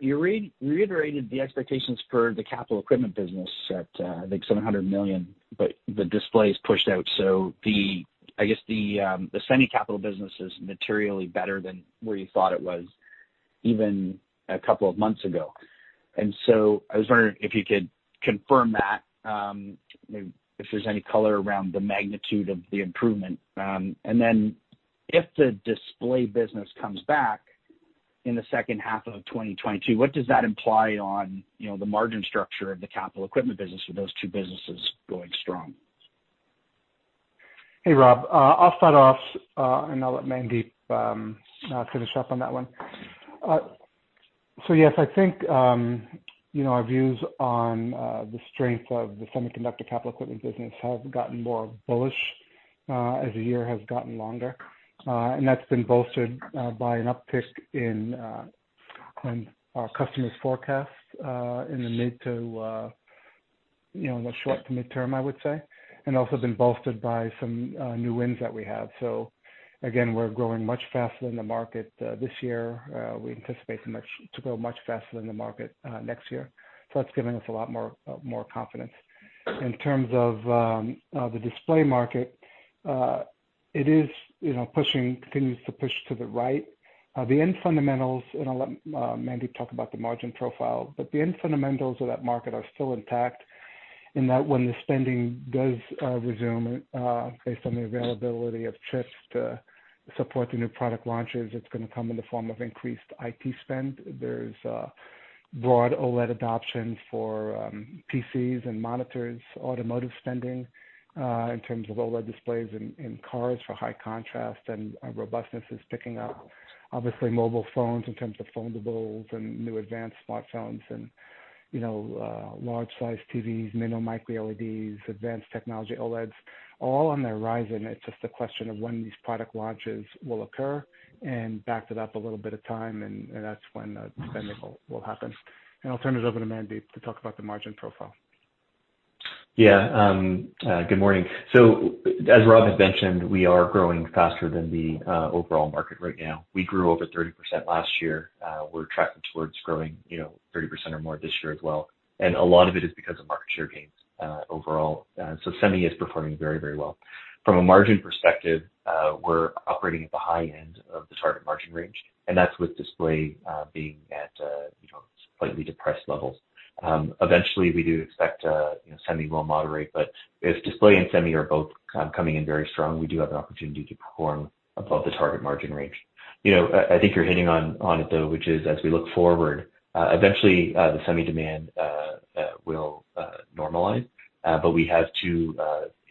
You reiterated the expectations for the capital equipment business at, I think, $700 million, but the display is pushed out, so I guess the semi capital business is materially better than where you thought it was even a couple of months ago. I was wondering if you could confirm that, if there's any color around the magnitude of the improvement? If the display business comes back in the second half of 2022, what does that imply on the margin structure of the capital equipment business with those two businesses going strong? Hey, Rob. I'll start off, and I'll let Mandeep finish up on that one. Yes, I think our views on the strength of the semiconductor capital equipment business have gotten more bullish as the year has gotten longer. That's been bolstered by an uptick in our customers' forecasts in the short to midterm, I would say, and also been bolstered by some new wins that we have. Again, we're growing much faster than the market this year. We anticipate to grow much faster than the market next year. That's giving us a lot more confidence. In terms of the display market, it is continuing to push to the right. The end fundamentals, I'll let Mandeep talk about the margin profile, but the end fundamentals of that market are still intact in that when the spending does resume, based on the availability of chips to support the new product launches, it's going to come in the form of increased IT spend. There's broad OLED adoption for PCs and monitors, automotive spending in terms of OLED displays in cars for high contrast, and robustness is picking up. Obviously, mobile phones in terms of foldables and new advanced smartphones and large-size TVs, mini micro LEDs, advanced technology OLEDs, all on the horizon. It's just a question of when these product launches will occur and back to that, a little bit of time, and that's when the spending will happen. I'll turn it over to Mandeep to talk about the margin profile. Yeah, good morning. As Rob mentioned, we are growing faster than the overall market right now. We grew over 30% last year. We're tracking toward growing 30% or more this year as well, and a lot of it is because of overall market share gains. Semi is performing very well. From a margin perspective, we're operating at the high end of the target margin range, and that's with display being at slightly depressed levels. Eventually, we do expect semi will moderate. If display and semi are both coming in very strong, we do have an opportunity to perform above the target margin range. I think you're hitting on it, though, which is as we look forward, eventually the semi demand will normalize. We have two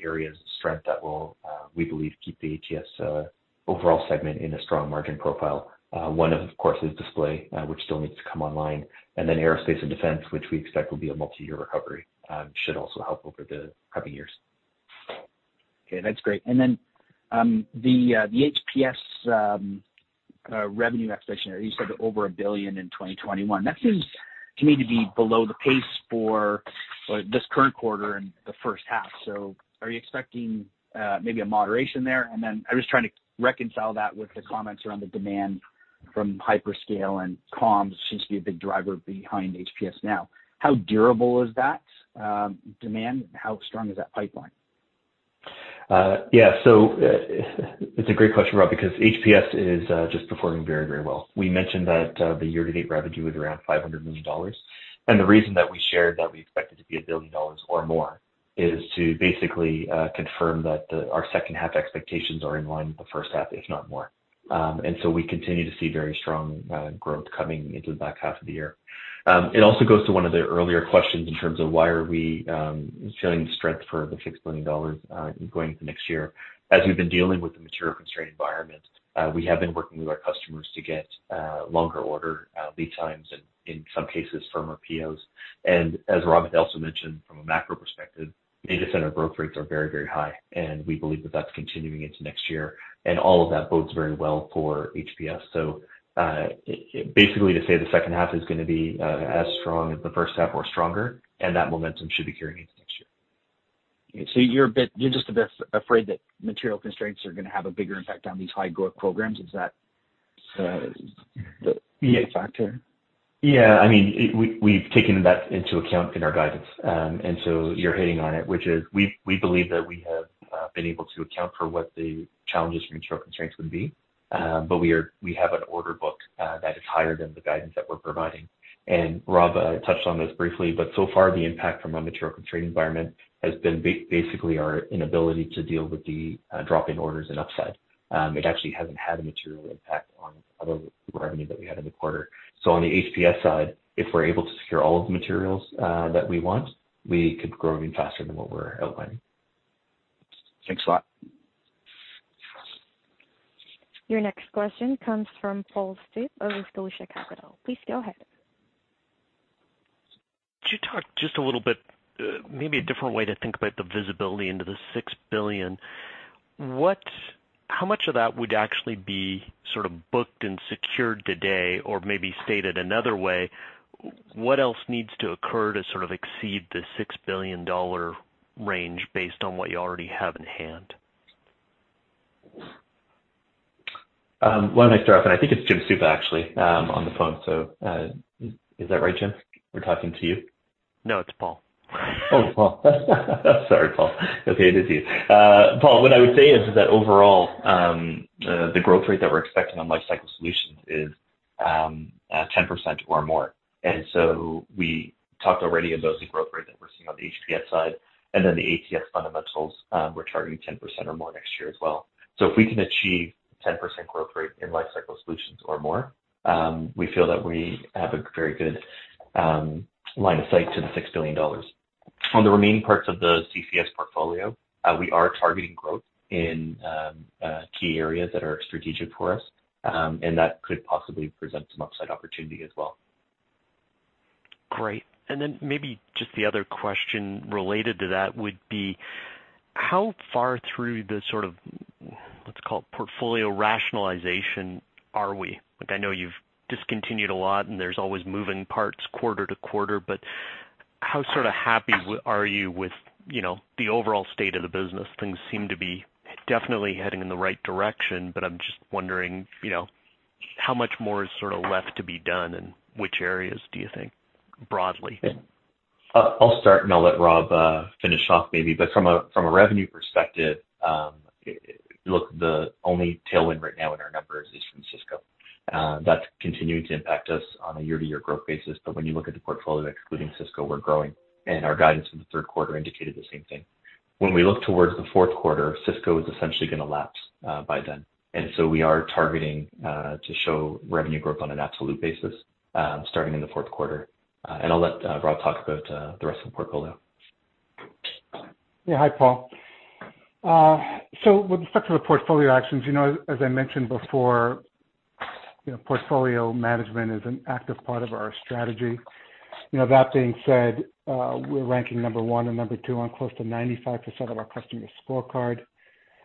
areas of strength that will, we believe, keep the overall ATS segment in a strong margin profile. One of course, is display, which still needs to come online, and then Aerospace and Defense, which we expect will be a multi-year recovery, should also help over the coming years. Okay, that's great. The HPS revenue expectation, you said over $1 billion in 2021. That seems to me to be below the pace for this current quarter and the first half. Are you expecting maybe a moderation there? I'm just trying to reconcile that with the comments around the demand from hyperscale and comms seems to be a big driver behind HPS now. How durable is that demand? How strong is that pipeline? It's a great question, Rob, because HPS is performing very well. We mentioned that the year-to-date revenue was around $500 million. The reason we shared that we expect it to be $1 billion or more is to basically confirm that our second-half expectations are in line with the first half, if not more. We continue to see very strong growth coming into the back half of the year. It also goes to one of the earlier questions in terms of why we are showing strength for the $6 billion going into next year. As we've been dealing with the material-constrained environment, we have been working with our customers to get longer order lead times and, in some cases, firmer POs. As Rob also mentioned, from a macro perspective, data center growth rates are very high, and we believe that's continuing into next year, and all of that bodes very well for HPS. Basically to say the second half is going to be as strong as the first half or stronger, and that momentum should be carrying into next year. You're just a bit afraid that material constraints are going to have a bigger impact on these high growth programs. Is that the key factor? Yes, we've taken that into account in our guidance, and so you're hitting on it, which is, we believe that we have been able to account for what the challenges from material constraints would be. We have an order book that is higher than the guidance that we're providing. Rob touched on this briefly, but so far, the impact from a material-constrained environment has been basically our inability to deal with the drop in orders and upside. It actually hasn't had a material impact on other revenue that we had in the quarter. On the HPS side, if we're able to secure all of the materials that we want, we could be growing faster than what we're outlining. Thanks a lot. Your next question comes from Paul Treiber of Aleutians Capital. Please go ahead. Could you talk just a little bit, maybe in a different way, about the visibility into the $6 billion? How much of that would actually be booked and secured today? Or, stated another way, what else needs to occur to exceed the $6 billion range based on what you already have in hand? Why don't I start off, and I think it's Thanos Moschopoulos, actually, on the phone. Is that right, Jim? We're talking to you? No, it's Paul. Oh, Paul. Sorry, Paul. Okay, it is you. Paul, what I would say is that overall, the growth rate that we're expecting for Life Cycle Solutions is 10% or more. We already talked about the growth rate that we're seeing on the HPS side, and then for ATS fundamentals, we're targeting 10% or more next year as well. If we can achieve a 10% growth rate in Life Cycle Solutions or more, we feel that we have a very good line of sight to the $6 billion. For the remaining parts of the CCS portfolio, we are targeting growth in key areas that are strategic for us, and that could possibly present some upside opportunity as well. Great. Maybe just another question related to that would be, how far through the sort of, let's call it, portfolio rationalization are we? Look, I know you've discontinued a lot, and there are always moving parts quarter to quarter, but how sort of happy are you with the overall state of the business? Things seem to be definitely heading in the right direction, but I'm just wondering how much more is sort of left to be done, and in which areas do you think, broadly? I'll start, and I'll let Rob finish off, maybe. From a revenue perspective, the only tailwind right now in our numbers is from Cisco. That's continuing to impact us on a year-to-year growth basis. When you look at the portfolio excluding Cisco, we're growing, and our guidance in the third quarter indicated the same thing. When we look towards the fourth quarter, Cisco is essentially going to lapse by then. We are targeting to show revenue growth on an absolute basis, starting in the fourth quarter. I'll let Rob talk about the rest of the portfolio. Yeah. Hi, Paul. With respect to the portfolio actions, as I mentioned before, portfolio management is an active part of our strategy. That being said, we're ranking number 1 and number 2 on close to 95% of our customer scorecards.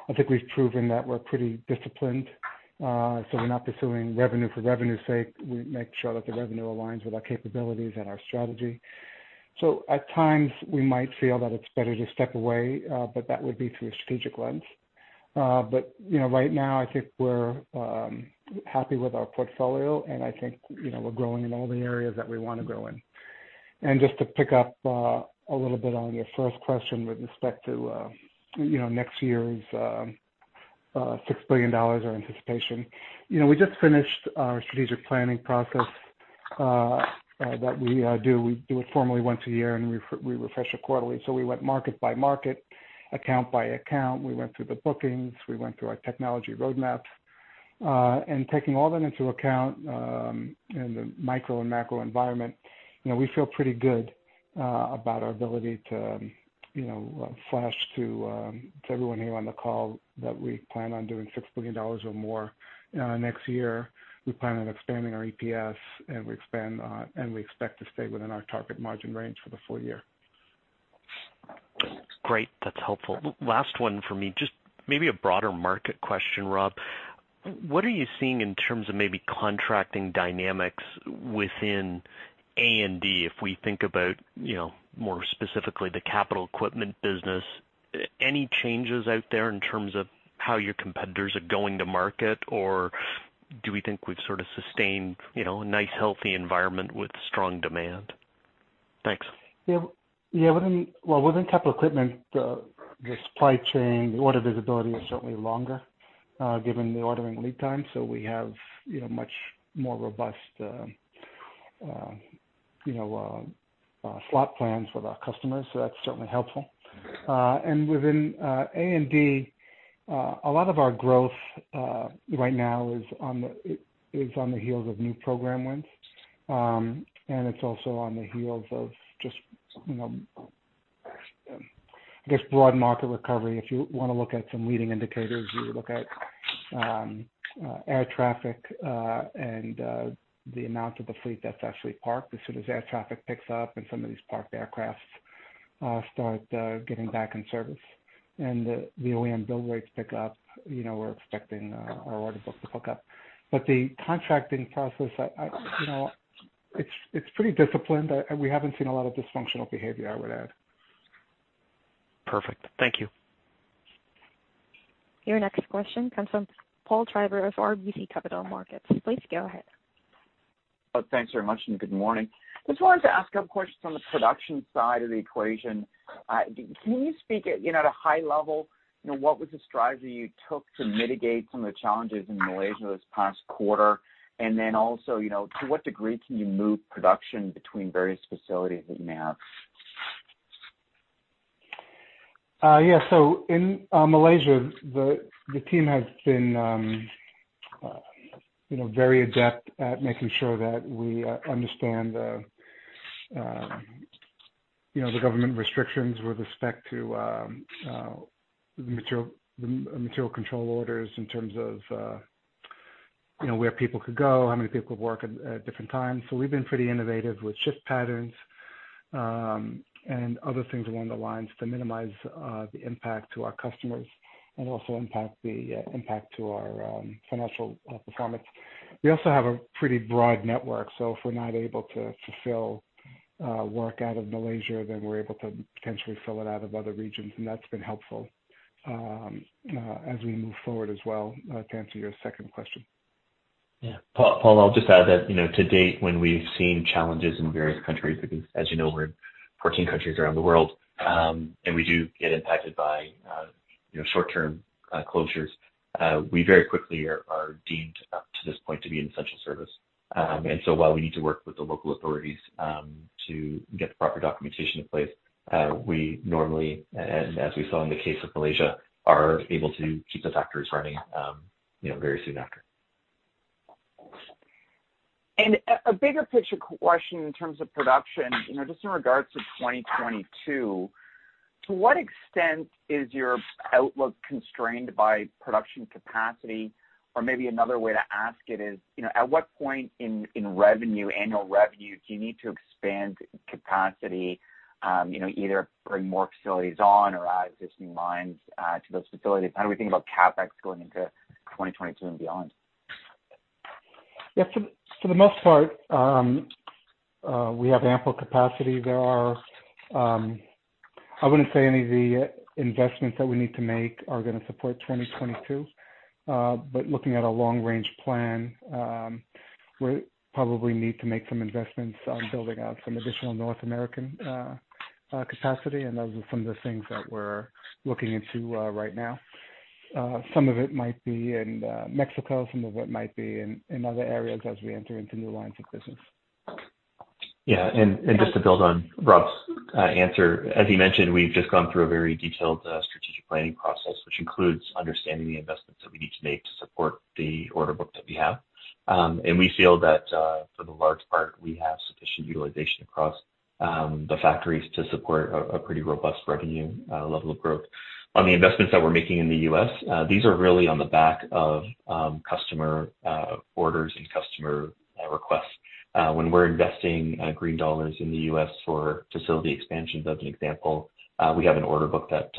I think we've proven that we're pretty disciplined. We're not pursuing revenue for revenue's sake. We make sure that the revenue aligns with our capabilities and our strategy. At times, we might feel that it's better to step away, but that would be through a strategic lens. Right now, I think we're happy with our portfolio, and I think we're growing in all the areas that we want to grow in. Just to pick up a little bit on your first question with respect to next year's $6 billion, our anticipation. We just finished our strategic planning process that we do. We do it formally once a year, and we refresh it quarterly. We went market by market, account by account. We went through the bookings. We went through our technology roadmaps. Taking all that into account, and the micro and macro environment, we feel pretty good about our ability to flash to everyone here on the call that we plan on doing $6 billion or more next year. We plan on expanding our EPS, and we expect to stay within our target margin range for the full year. Great. That's helpful. Last one for me, just maybe a broader market question, Rob. What are you seeing in terms of contracting dynamics within A&D, if we think more specifically about the capital equipment business? Any changes out there in terms of how your competitors are going to market, or do we think we've sort of sustained a nice, healthy environment with strong demand? Thanks. Yeah. Well, within capital equipment, the supply chain, the order visibility is certainly longer, given the ordering lead time. We have much more robust slot plans with our customers, so that's certainly helpful. Within A&D, a lot of our growth right now is on the heels of new program wins. It's also on the heels of just, I guess, broad market recovery. If you want to look at some leading indicators, you look at air traffic and the amount of the fleet that's actually parked. As soon as air traffic picks up and some of these parked aircraft start getting back in service, and the OEM build rates pick up, we're expecting our order book to pick up. The contracting process, it's pretty disciplined. We haven't seen a lot of dysfunctional behavior, I would add. Perfect. Thank you. Your next question comes from Paul Treiber of RBC Capital Markets. Please go ahead. Thanks very much, and good morning. I just wanted to ask a couple of questions on the production side of the equation. Can you speak at a high level about the strategy you took to mitigate some of the challenges in Malaysia this past quarter? Also, to what degree can you move production between various facilities that you may have? Yes. In Malaysia, the team has been very adept at making sure that we understand the government restrictions with respect to material control orders in terms of where people could go and how many people could work at different times. We've been pretty innovative with shift patterns and other things along those lines to minimize the impact on our customers and also the impact on our financial performance. We also have a pretty broad network, so if we're not able to fulfill work out of Malaysia, then we're able to potentially fill it out of other regions, and that's been helpful as we move forward as well, to answer your second question. Paul, I'll just add that to date, when we've seen challenges in various countries—because as you know, we're in 14 countries around the world—we do get impacted by short-term closures. We very quickly are deemed, up to this point, to be an essential service. While we need to work with the local authorities to get the proper documentation in place, we normally, as we saw in the case of Malaysia, are able to keep the factories running very soon after. A bigger-picture question in terms of production, just in regards to 2022: To what extent is your outlook constrained by production capacity? Maybe another way to ask it is, at what point in annual revenue do you need to expand capacity, either bringing more facilities online or adding existing lines to those facilities? How do we think about CapEx going into 2022 and beyond? For the most part, we have ample capacity. I wouldn't say any of the investments that we need to make are going to support 2022. Looking at a long-range plan, we probably need to make some investments in building out some additional North American capacity, and those are some of the things that we're looking into right now. Some of it might be in Mexico, some of it might be in other areas as we enter new lines of business. Just to build on Rob's answer, as he mentioned, we've just gone through a very detailed strategic planning process, which includes understanding the investments that we need to make to support the order book that we have. We feel that, for the most part, we have sufficient utilization across the factories to support a pretty robust revenue level of growth. On the investments that we're making in the U.S., these are really on the back of customer orders and customer requests. When we're investing green dollars in the U.S. for facility expansions, as an example, we have an order book that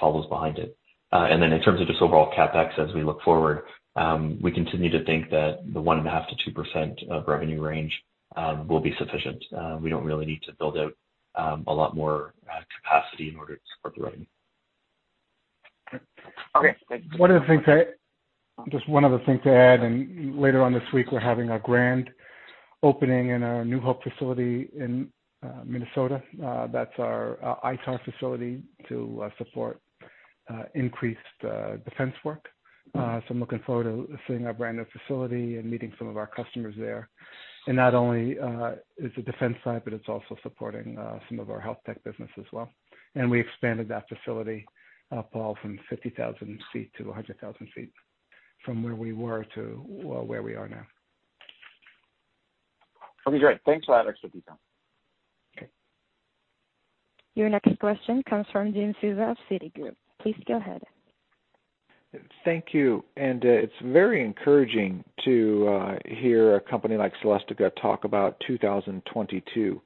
follows behind it. Then in terms of just overall CapEx as we look forward, we continue to think that the 1.5% to 2% of revenue range will be sufficient. We don't really need to build out a lot more capacity in order to support the revenue. Okay, thanks. Just one other thing to add. Later on this week, we're having a grand opening at our New Hope facility in Minnesota. That's our ITAR facility to support increased defense work. I'm looking forward to seeing our brand-new facility and meeting some of our customers there. Not only is it the defense side, but it's also supporting some of our health tech business as well. We expanded that facility, Paul, from 50,000 square feet to 100,000 square feet from where we were to where we are now. That'll be great. Thanks, Alex, for the detail. Okay. Your next question comes from Jim Suva of Citigroup. Please go ahead. Thank you. It's very encouraging to hear a company like Celestica talk about 2022.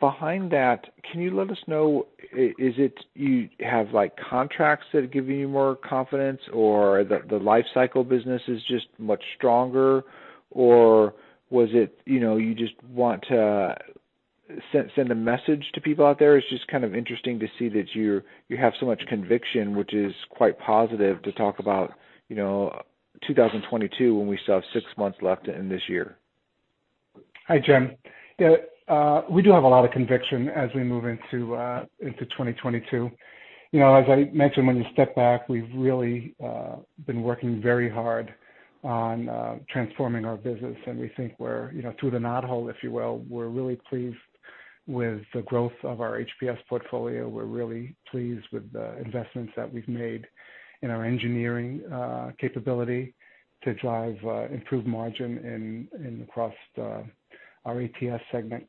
Behind that, can you let us know if you have contracts that are giving you more confidence, or if the life cycle business is just much stronger? Or was it that you just want to send a message to people out there? It's just kind of interesting to see that you have so much conviction, which is quite positive, to talk about 2022 when we still have six months left in this year. Hi, Jim. Yeah, we do have a lot of conviction as we move into 2022. As I mentioned, when you step back, we've really been working very hard on transforming our business, and we think we're through the knothole, if you will. We're really pleased with the growth of our HPS portfolio. We're really pleased with the investments that we've made in our engineering capability to drive improved margin across our ATS segment.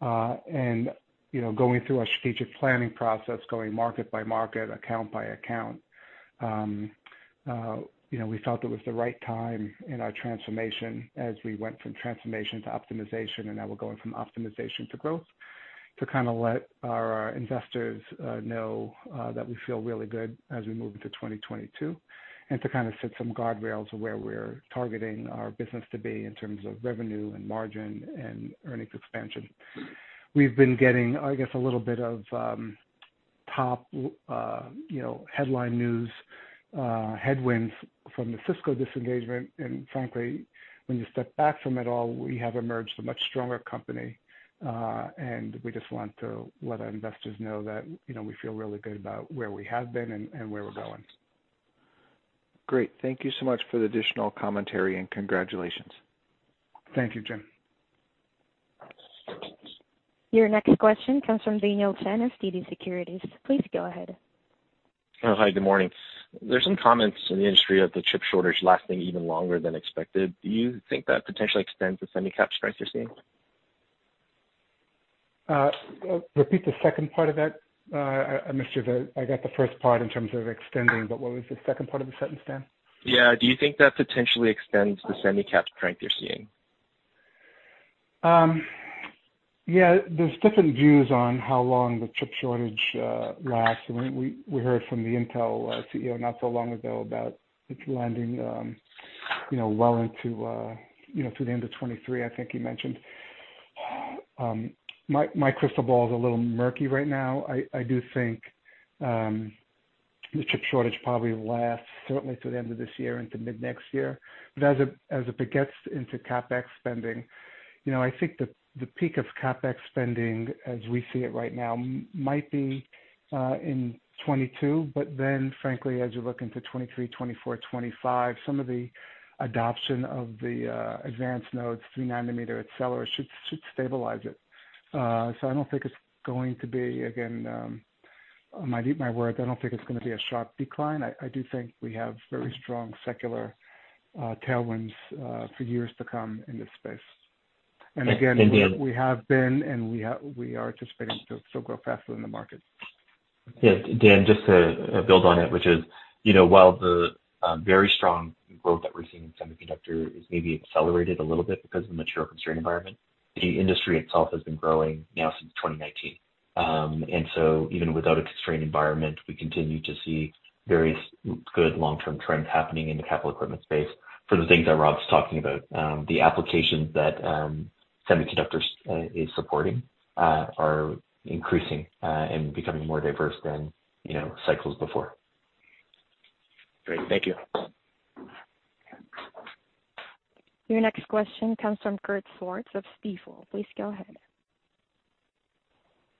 Going through our strategic planning process, market by market, account by account, we felt it was the right time in our transformation. As we went from transformation to optimization, and now we're going from optimization to growth, we wanted to let our investors know that we feel really good as we move into 2022. We also wanted to set some guardrails for where we're targeting our business to be in terms of revenue, margin, and earnings expansion. We've been getting, I guess, a little bit of top headline news headwinds from the Cisco disengagement. Frankly, when you step back from it all, we have emerged a much stronger company. We just want to let our investors know that we feel really good about where we have been and where we're going. Great. Thank you so much for the additional commentary, and congratulations. Thank you, Jim. Your next question comes from Daniel Chan of TD Securities. Please go ahead. Hi, good morning. There are some comments in the industry about the chip shortage lasting even longer than expected. Do you think that potentially extends the semi-cap strength you're seeing? Repeat the second part of that. I missed you there. I got the first part in terms of extending, but what was the second part of the sentence, Dan? Yeah. Do you think that potentially extends the semi-cap strength you're seeing? Yeah. There are different views on how long the chip shortage will last. We heard from the Intel CEO not so long ago about it lasting well into the end of 2023, I think he mentioned. My crystal ball is a little murky right now. I do think the chip shortage probably lasts certainly through the end of this year and into mid-next year. As it translates into CapEx spending, I think the peak of CapEx spending as we see it right now might be in 2022. Frankly, as you look into 2023, 2024, and 2025, some of the adoption of the advanced nodes, 3-nanometer accelerators, should stabilize it. I don't think it's going to be, again, my words, I don't think it's going to be a sharp decline. I do think we have very strong secular tailwinds for years to come in this space. Again, we have been and we are anticipating still faster growth than the market. Yeah, Dan, just to build on it, while the very strong growth that we're seeing in semiconductors may be accelerated a little bit because of the mature constrained environment, the industry itself has been growing now since 2019. Even without a constrained environment, we continue to see very good long-term trends happening in the capital equipment space for the things that Rob's talking about. The applications that semiconductors are supporting are increasing and becoming more diverse than in cycles before. Great. Thank you. Your next question comes from Robert Schwartz of Stifel. Please go ahead.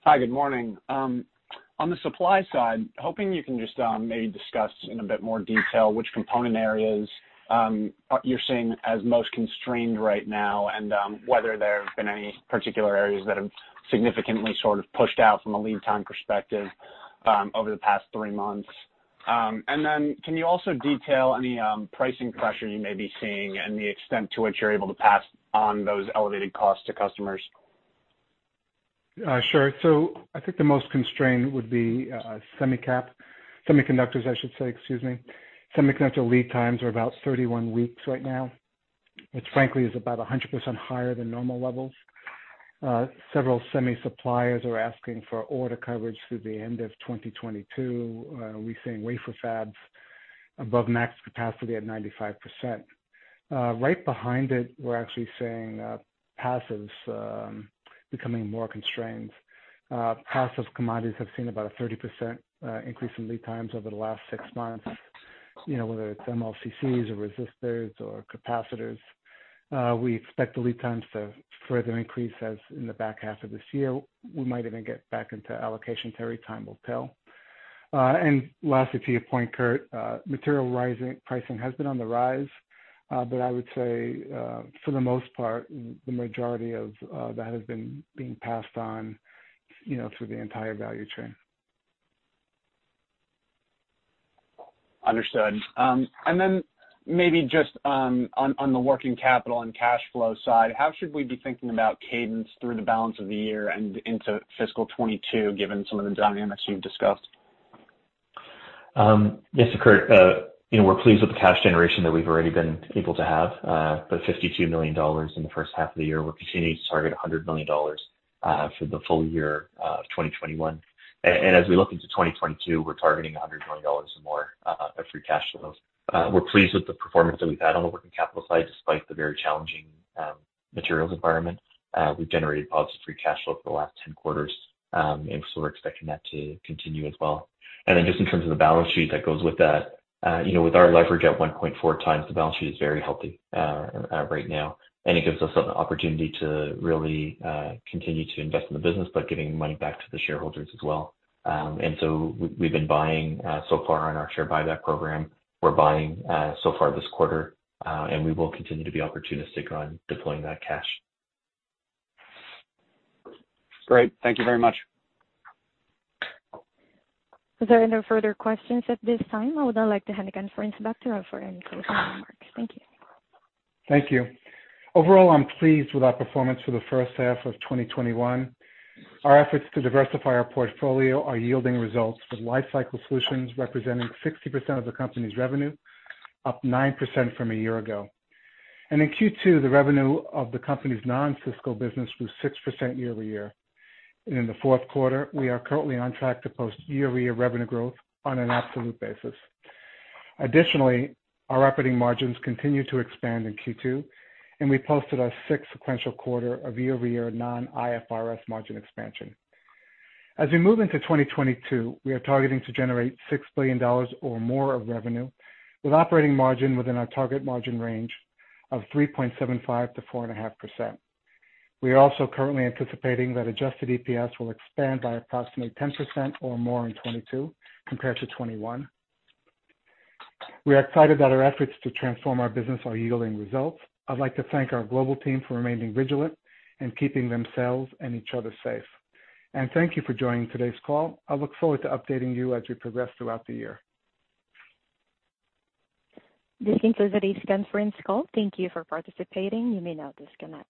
Hi, good morning. On the supply side, I was hoping you could discuss in a bit more detail which component areas you're seeing as most constrained right now, and whether there have been any particular areas that have significantly pushed out from a lead time perspective over the past three months. Can you also detail any pricing pressure you may be seeing and the extent to which you're able to pass on those elevated costs to customers? Sure. I think the most constrained would be semiconductors, I should say, excuse me. Semiconductor lead times are about 31 weeks right now, which frankly is about 100% higher than normal levels. Several semiconductor suppliers are asking for order coverage through the end of 2022. We're seeing wafer fabs above max capacity at 95%. Right behind it, we're actually seeing passives becoming more constrained. Passive commodities have seen about a 30% increase in lead times over the last 6 months, whether it's MLCCs or resistors or capacitors. We expect the lead times to further increase in the back half of this year. We might even get back into allocation. Terry, time will tell. Lastly, to your point, Kurt, material pricing has been on the rise. I would say, for the most part, the majority of that has been passed on through the entire value chain. Understood. Maybe just on the working capital and cash flow side, how should we be thinking about the cadence through the balance of the year and into fiscal 2022, given some of the dynamics you've discussed? Thanks, Kurt. We're pleased with the cash generation that we've already been able to achieve, about $52 million in the first half of the year. We're continuing to target $100 million for the full year of 2021. As we look into 2022, we're targeting $100 million or more of free cash flows. We're pleased with the performance that we've had on the working capital side, despite the very challenging materials environment. We've generated positive free cash flow for the last 10 quarters. We're expecting that to continue as well. Just in terms of the balance sheet that goes with that, with our leverage at 1.4 times, the balance sheet is very healthy right now, and it gives us an opportunity to really continue to invest in the business, but also give money back to the shareholders. We've been buying shares so far on our share buyback program. We're buying so far this quarter, and we will continue to be opportunistic in deploying that cash. Great. Thank you very much. Are there any further questions at this time? I would now like to hand it back to Vincent Gasparro to offer any closing remarks. Thank you. Thank you. Overall, I'm pleased with our performance for the first half of 2021. Our efforts to diversify our portfolio are yielding results, with Life Cycle Solutions representing 60% of the company's revenue, up 9% from a year ago. In Q2, the revenue of the company's non-Cisco business was up 6% year-over-year. In the fourth quarter, we are currently on track to post year-over-year revenue growth on an absolute basis. Additionally, our operating margins continued to expand in Q2, and we posted our sixth sequential quarter of year-over-year non-IFRS margin expansion. As we move into 2022, we are targeting to generate $6 billion or more of revenue, with operating margin within our target margin range of 3.75%-4.5%. We are also currently anticipating that adjusted EPS will expand by approximately 10% or more in 2022 compared to 2021. We are excited that our efforts to transform our business are yielding results. I'd like to thank our global team for remaining vigilant and keeping themselves and each other safe. Thank you for joining today's call. I look forward to updating you as we progress throughout the year. This concludes today's conference call. Thank you for participating. You may now disconnect.